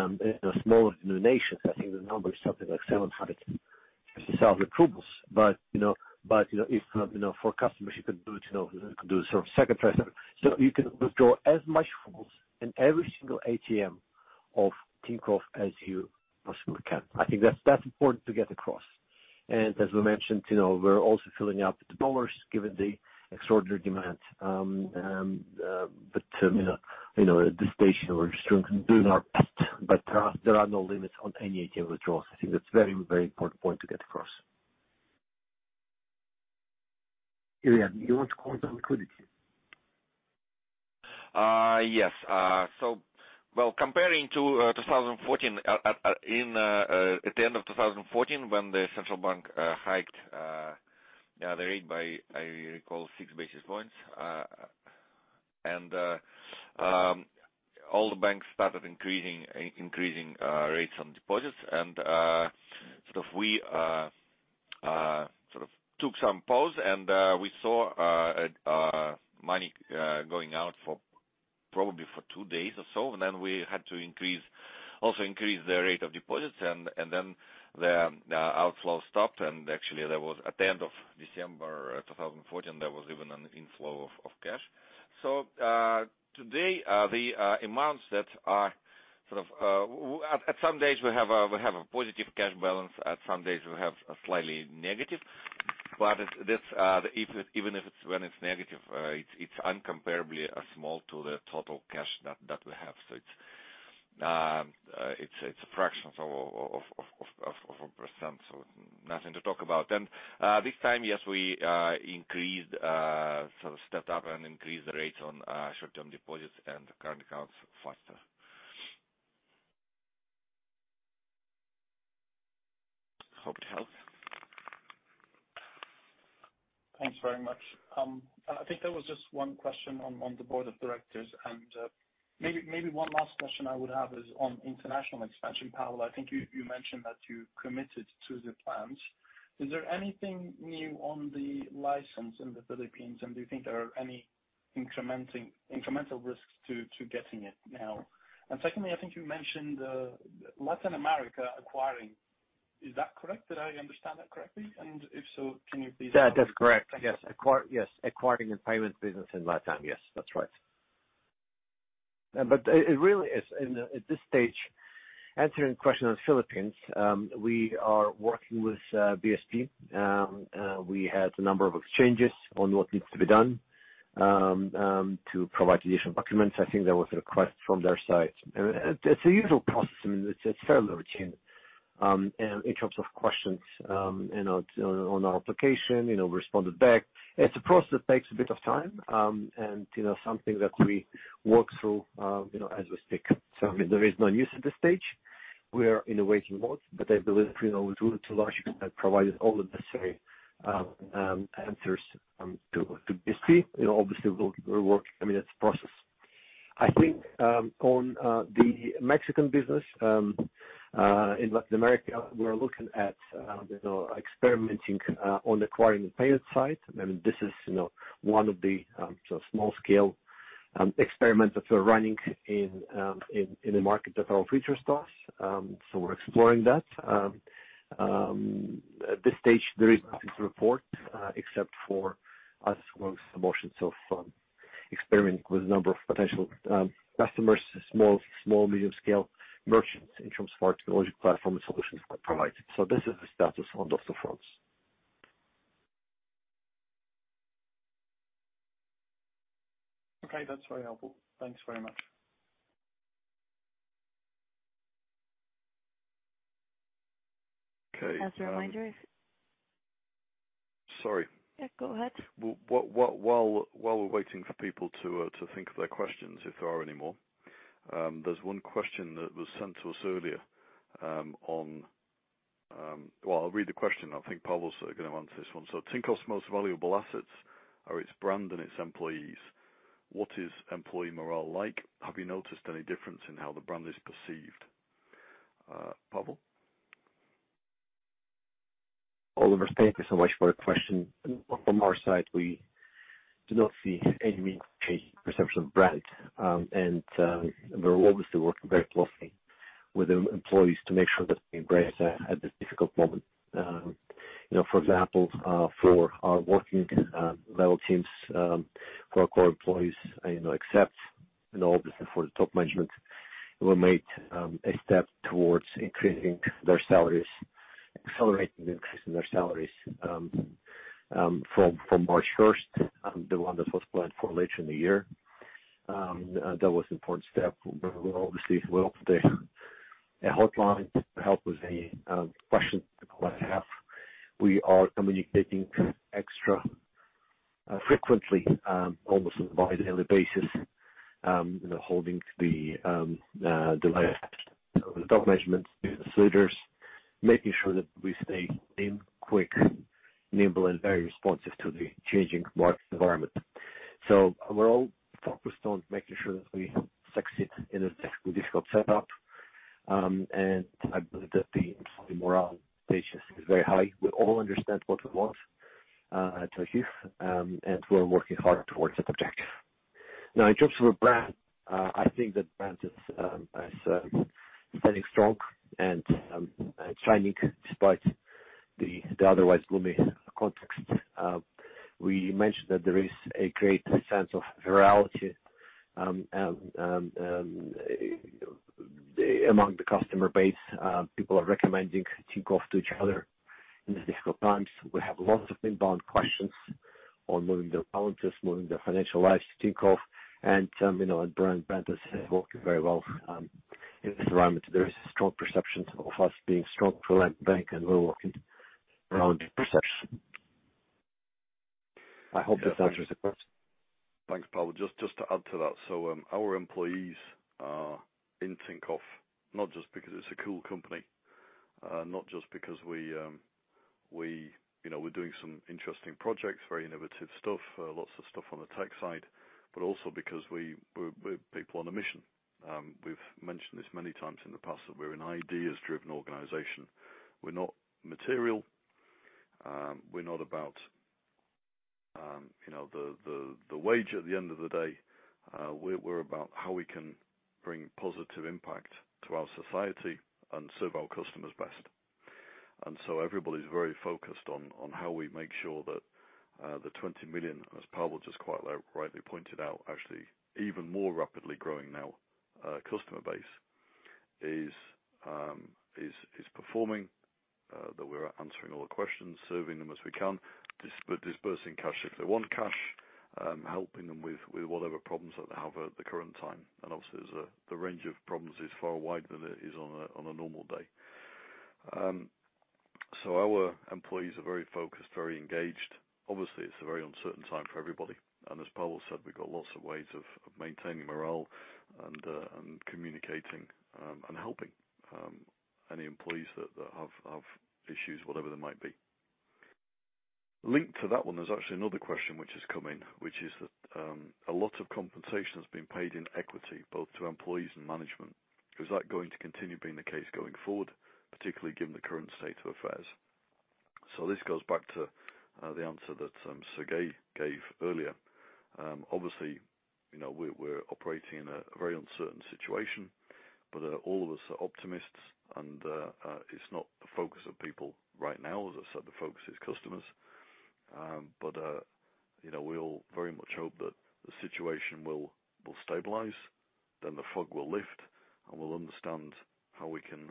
smaller denominations, I think the number is something like RUB 700,000. You know, for customers you could do a sort of second transfer. You can withdraw as much rubles in every single ATM of Tinkoff as you possibly can. I think that's important to get across. As we mentioned, you know, we're also filling up the dollars given the extraordinary demand. At this stage we're just doing our best, but there are no limits on any ATM withdrawals. I think that's a very important point to get across. Ilya, you want to comment on liquidity? Yes. Well, comparing to 2014, at the end of 2014, when the Central Bank hiked the rate by, I recall, six basis points, and all the banks started increasing rates on deposits. Sort of we Sort of took some pause and we saw money going out for probably two days or so, and then we had to increase the rate of deposits and then the outflow stopped. Actually there was at the end of December 2014 even an inflow of cash. Today the amounts that are sort of at some days we have a positive cash balance. At some days we have a slightly negative, but this even if it's when it's negative it's incomparably small to the total cash that we have. It's a fraction of a percent, so nothing to talk about. This time, yes, we increased sort of stepped up and increased the rates on short-term deposits and current accounts faster. Hope it helps. Thanks very much. I think there was just one question on the board of directors and maybe one last question I would have is on international expansion. Pavel, I think you mentioned that you committed to the plans. Is there anything new on the license in the Philippines, and do you think there are any incremental risks to getting it now? Secondly, I think you mentioned Latin America acquiring. Is that correct? Did I understand that correctly? If so, can you please- Yeah, that's correct. Yes. Yes. Acquiring and payment business in Latin. Yes, that's right. It really is. You know, at this stage, answering question on Philippines, we are working with BSP. We had a number of exchanges on what needs to be done to provide additional documents. I think there was a request from their side. It's a usual process. I mean, it's fairly routine in terms of questions, you know, on our application, you know, responded back. It's a process that takes a bit of time, and you know, something that we work through, you know, as we speak. I mean, there is no news at this stage. We are in a waiting mode, but I believe, you know, we've provided all the necessary answers to BSP. You know, obviously, we're working. I mean, it's a process. I think on the Mexican business in Latin America, we're looking at, you know, experimenting on acquiring the payment side. I mean, this is, you know, one of the small scale experiments that we're running in the market that our future stores. We're exploring that. At this stage there is nothing to report, except for us, well, submissions of experiment with a number of potential customers, small, medium scale merchants in terms of our technology platform and solutions that provided. This is the status on those two fronts. Okay. That's very helpful. Thanks very much. Okay. As a reminder if- Sorry. Yeah, go ahead. While we're waiting for people to think of their questions, if there are any more, there's one question that was sent to us earlier. Well, I'll read the question. I think Pavel's gonna answer this one. Tinkoff's most valuable assets are its brand and its employees. What is employee morale like? Have you noticed any difference in how the brand is perceived? Pavel? Oliver, thank you so much for the question. From our side, we do not see any change in perception of brand. We're obviously working very closely with employees to make sure that they embrace that at this difficult moment. You know, for example, for our working level teams, for our core employees, you know, except, you know, obviously for the top management, we made a step towards increasing their salaries, accelerating the increase in their salaries, from March first, the one that was planned for later in the year. That was important step. We're obviously as well the hotline to help with any questions people might have. We are communicating extra frequently, almost on a bi-weekly basis, you know, holding the layer of the top management business leaders, making sure that we stay quick, nimble and very responsive to the changing market environment. We're all focused on making sure that we succeed in this difficult setup. I believe that the employee morale patience is very high. We all understand what we want to achieve, and we're working hard towards that objective. Now, in terms of the brand, I think the brand is standing strong and shining despite the otherwise gloomy context. We mentioned that there is a great sense of virality among the customer base. People are recommending Tinkoff to each other in these difficult times. We have lots of inbound questions on moving their balances, moving their financial lives to Tinkoff. You know, our brand is working very well in this environment. There is a strong perception of us being strong reputable bank, and we're working around the perception. I hope this answers the question. Thanks, Pavel. Just to add to that. Our employees are in Tinkoff, not just because it's a cool company, not just because we, you know, we're doing some interesting projects, very innovative stuff, lots of stuff on the tech side, but also because we're people on a mission. We've mentioned this many times in the past that we're an ideas-driven organization. We're not material. We're not about You know, the way at the end of the day, we're about how we can bring positive impact to our society and serve our customers best. Everybody's very focused on how we make sure that the 20 million, as Pawel just quite rightly pointed out, actually even more rapidly growing now, customer base is performing, that we're answering all the questions, serving them as we can. Disbursing cash if they want cash, helping them with whatever problems that they have at the current time. Obviously, the range of problems is far wider than it is on a normal day. Our employees are very focused, very engaged. Obviously, it's a very uncertain time for everybody. As Pavel said, we've got lots of ways of maintaining morale and communicating and helping any employees that have issues, whatever they might be. Linked to that one, there's actually another question which has come in, which is that a lot of compensation has been paid in equity, both to employees and management. Is that going to continue being the case going forward, particularly given the current state of affairs? This goes back to the answer that Sergei gave earlier. Obviously, you know, we're operating in a very uncertain situation, but all of us are optimists and it's not the focus of people right now. As I said, the focus is customers. You know, we all very much hope that the situation will stabilize, then the fog will lift, and we'll understand how we can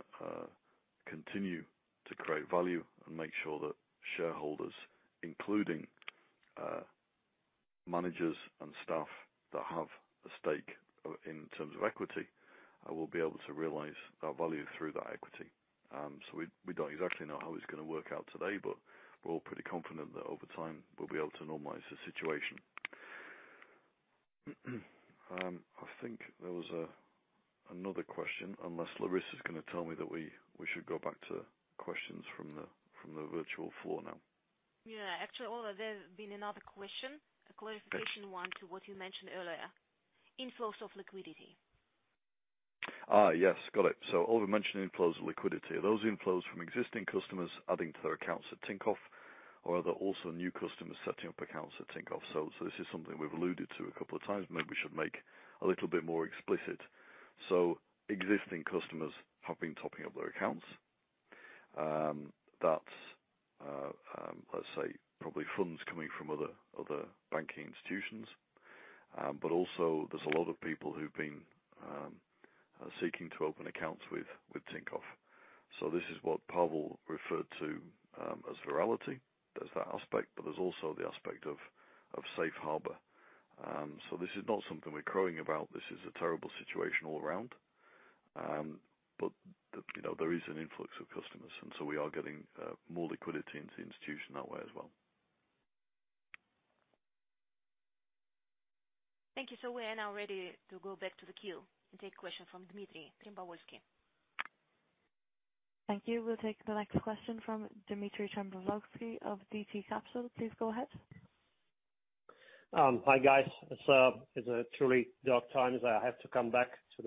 continue to create value and make sure that shareholders, including managers and staff that have a stake in terms of equity, will be able to realize that value through that equity. We don't exactly know how it's gonna work out today, but we're all pretty confident that over time, we'll be able to normalize the situation. I think there was another question, unless Larissa is gonna tell me that we should go back to questions from the virtual floor now. Yeah. Actually, Oliver, there's been another question. Okay. A clarification on what you mentioned earlier. Inflow of liquidity. Yes. Got it. All mentioned inflows of liquidity. Are those inflows from existing customers adding to their accounts at Tinkoff, or are there also new customers setting up accounts at Tinkoff? This is something we've alluded to a couple of times, maybe we should make a little bit more explicit. Existing customers have been topping up their accounts. That's, let's say, probably funds coming from other banking institutions. But also there's a lot of people who've been seeking to open accounts with Tinkoff. This is what Pawel referred to as virality. There's that aspect, but there's also the aspect of safe harbor. This is not something we're crowing about. This is a terrible situation all around. You know, there is an influx of customers, and so we are getting more liquidity into the institution that way as well. Thank you. We are now ready to go back to the queue and take a question from Dmitry Trembovolsky. Thank you. We'll take the next question from Dmitry Trembovolsky of DT Capital. Please go ahead. Hi guys. It's a truly dark time that I have to come back to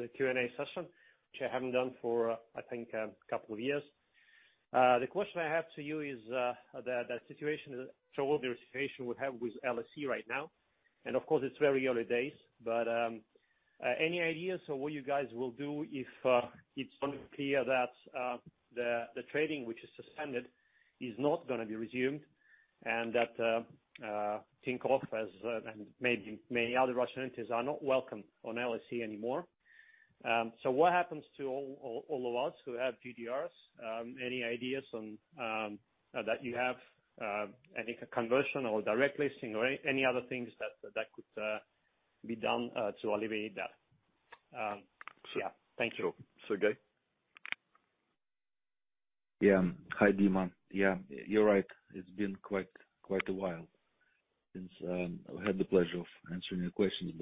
the Q&A session, which I haven't done for I think a couple of years. The question I have to you is the situation we have with LSE right now, and of course it's very early days, but any ideas on what you guys will do if it's going to appear that the trading which is suspended is not gonna be resumed and that Tinkoff and maybe many other Russian entities are not welcome on LSE anymore. What happens to all of us who have GDRs? Any ideas on that you have any conversion or direct listing or any other things that could be done to alleviate that? Yeah. Thank you. Sergei? Yeah. Hi, Dmitry. Yeah, you're right. It's been quite a while since I had the pleasure of answering your questions.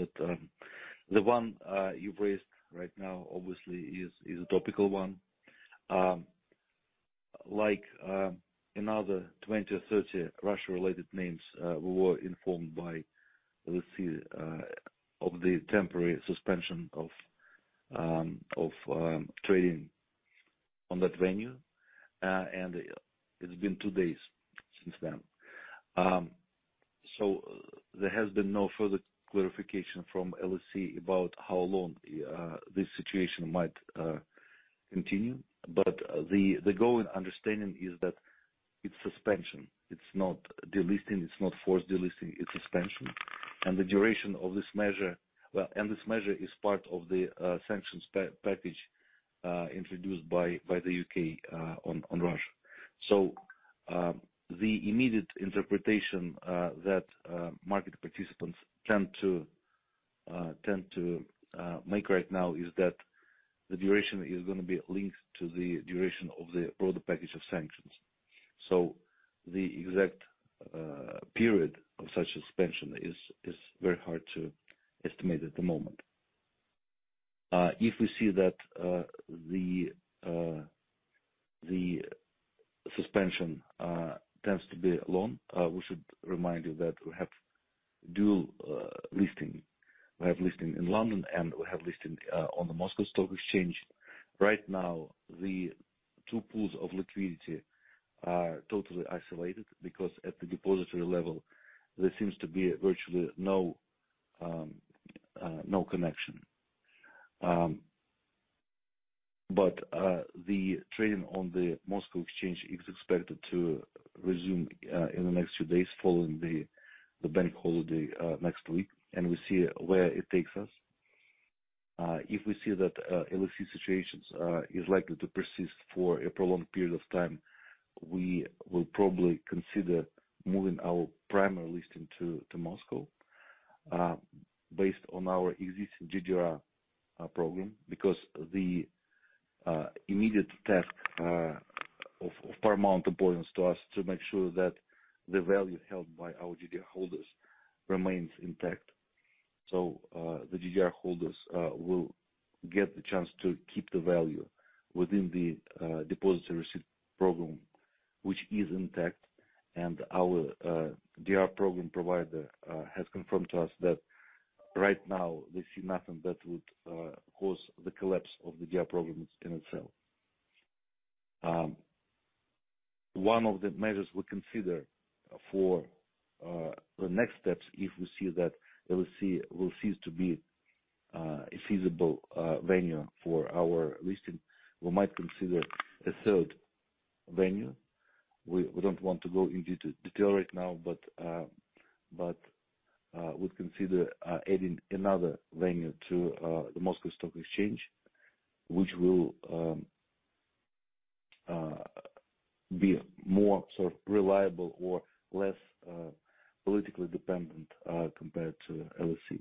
The one you've raised right now obviously is a topical one. Like, another 20 or 30 Russia-related names, we were informed by LSE of the temporary suspension of trading on that venue. It's been 2 days since then. There has been no further clarification from LSE about how long this situation might continue. The goal and understanding is that it's suspension. It's not delisting, it's not forced delisting, it's suspension. The duration of this measure. Well, this measure is part of the sanctions package introduced by the U.K. on Russia. The immediate interpretation that market participants tend to make right now is that the duration is gonna be linked to the duration of the broader package of sanctions. The exact period of such suspension is very hard to estimate at the moment. If we see that the suspension tends to be long, we should remind you that we have dual listing. We have listing in London, and we have listing on the Moscow Exchange. Right now, the two pools of liquidity are totally isolated because at the depository level there seems to be virtually no connection. The trading on the Moscow Exchange is expected to resume in the next few days following the bank holiday next week, and we'll see where it takes us. If we see that LSE situation is likely to persist for a prolonged period of time, we will probably consider moving our primary listing to Moscow based on our existing GDR program. Because the immediate task of paramount importance to us to make sure that the value held by our GDR holders remains intact. The GDR holders will get the chance to keep the value within the deposit and receipt program, which is intact. Our DR program provider has confirmed to us that right now they see nothing that would cause the collapse of the DR programs in itself. One of the measures we consider for the next steps if we see that LSE will cease to be a feasible venue for our listing, we might consider a third venue. We don't want to go into detail right now, but we'd consider adding another venue to the Moscow Exchange, which will be more sort of reliable or less politically dependent compared to LSE.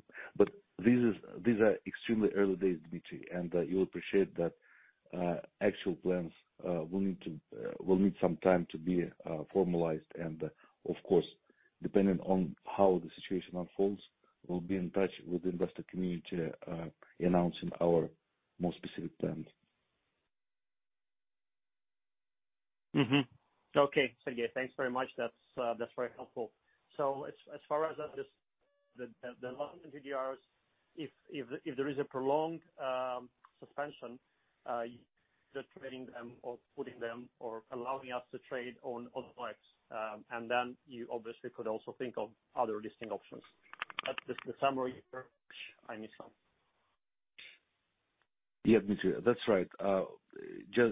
This is. These are extremely early days, Dmitry, and you'll appreciate that actual plans will need some time to be formalized. Of course, depending on how the situation unfolds, we'll be in touch with the investor community announcing our more specific plans. Mm-hmm. Okay, Sergei. Thanks very much. That's very helpful. As far as this, the London GDRs, if there is a prolonged suspension just trading them or putting them or allowing us to trade on other markets, and then you obviously could also think of other listing options. That's the summary here or I missed some? Yeah, Dmitry, that's right.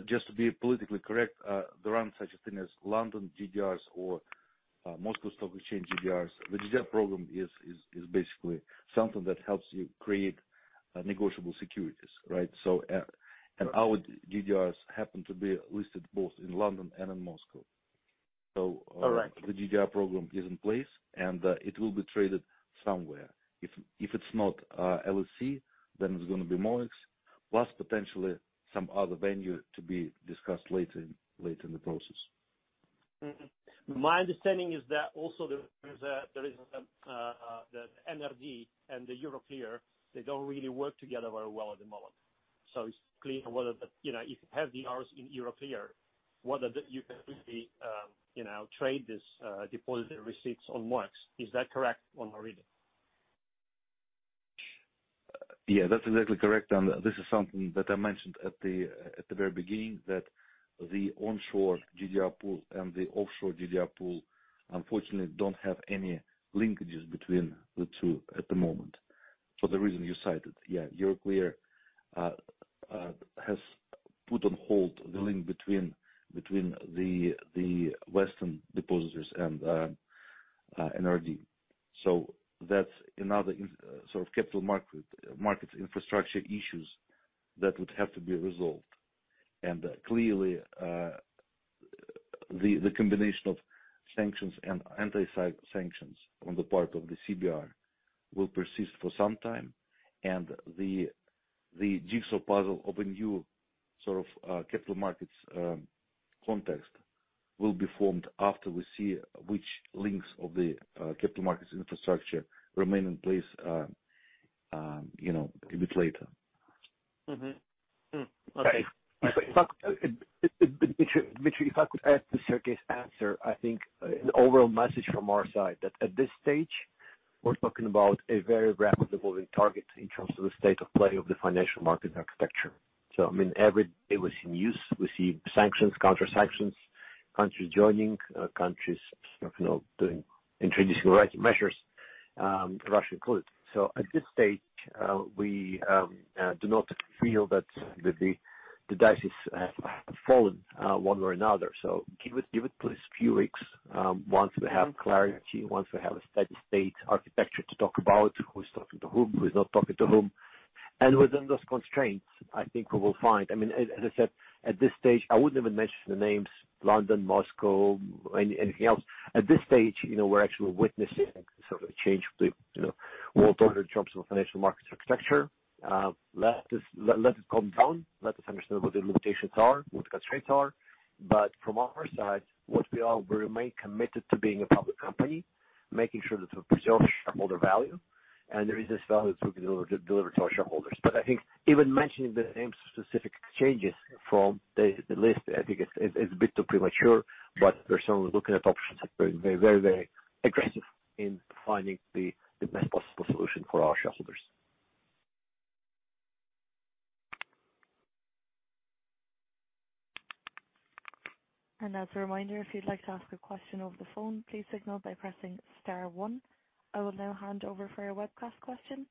Just to be politically correct, there's no such thing as London GDRs or Moscow Exchange GDRs. The GDR program is basically something that helps you create negotiable securities, right? So, Correct. Our GDRs happen to be listed both in London and in Moscow. Correct. The GDR program is in place and it will be traded somewhere. If it's not LSE, then it's gonna be MOEX plus potentially some other venue to be discussed later in the process. Mm-hmm. My understanding is that also there is the NSD and the Euroclear. They don't really work together very well at the moment. It's clear whether. You know, if you have GDRs in Euroclear, whether that you can really, you know, trade these depository receipts on MOEX. Is that correct in my reading? Yeah, that's exactly correct. This is something that I mentioned at the very beginning, that the onshore GDR pool and the offshore GDR pool unfortunately don't have any linkages between the two at the moment for the reason you cited. Yeah. Euroclear has put on hold the link between the western depositories and NSD. That's another sort of capital market infrastructure issues that would have to be resolved. Clearly, the combination of sanctions and anti-sanctions on the part of the CBR will persist for some time. The jigsaw puzzle of a new sort of capital markets context will be formed after we see which links of the capital markets infrastructure remain in place, you know, a bit later. Mm-hmm. Mm. Okay. Dmitry, if I could add to Sergei's answer. I think an overall message from our side that at this stage we're talking about a very rapidly evolving target in terms of the state of play of the financial market architecture. I mean, every day we're seeing news, we're seeing sanctions, counter-sanctions, countries joining, countries introducing retaliatory measures, Russia included. At this stage, we do not feel that the dice is fallen one way or another. Give it please few weeks, once we have clarity, once we have a steady state architecture to talk about, who's talking to whom, who's not talking to whom. Within those constraints, I think we will find. I mean, as I said, at this stage, I wouldn't even mention the names London, Moscow, anything else. At this stage, you know, we're actually witnessing sort of a change of the, you know, world order in terms of financial market architecture. Let it calm down. Let us understand what the limitations are, what constraints are. From our side, what we are, we remain committed to being a public company, making sure that we preserve shareholder value and there is this value that we can deliver to our shareholders. I think even mentioning the names of specific exchanges from the list, I think it's a bit too premature. We're certainly looking at options and very aggressive in finding the best possible solution for our shareholders. As a reminder, if you'd like to ask a question over the phone, please signal by pressing star one. I will now hand over for your webcast question.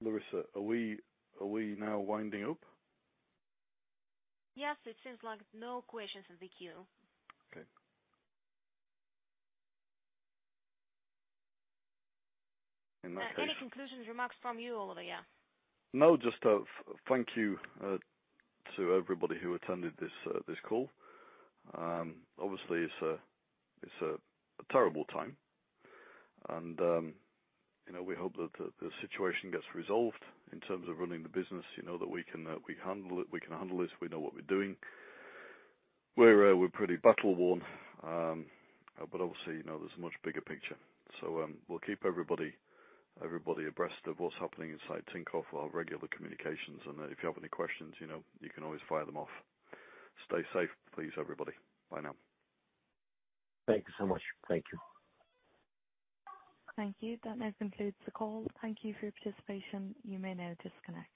Larissa, are we now winding up? Yes. It seems like no questions in the queue. Okay. In that case. Any conclusions, remarks from you, Oliver? Yeah. No, just a thank you to everybody who attended this call. Obviously it's a terrible time and you know, we hope that the situation gets resolved in terms of running the business. You know we can handle it. We can handle this. We know what we're doing. We're pretty battle-worn. Obviously, you know, there's a much bigger picture. We'll keep everybody abreast of what's happening inside Tinkoff, our regular communications, and if you have any questions, you know you can always fire them off. Stay safe please everybody. Bye now. Thank you so much. Thank you. Thank you. That now concludes the call. Thank you for your participation. You may now disconnect.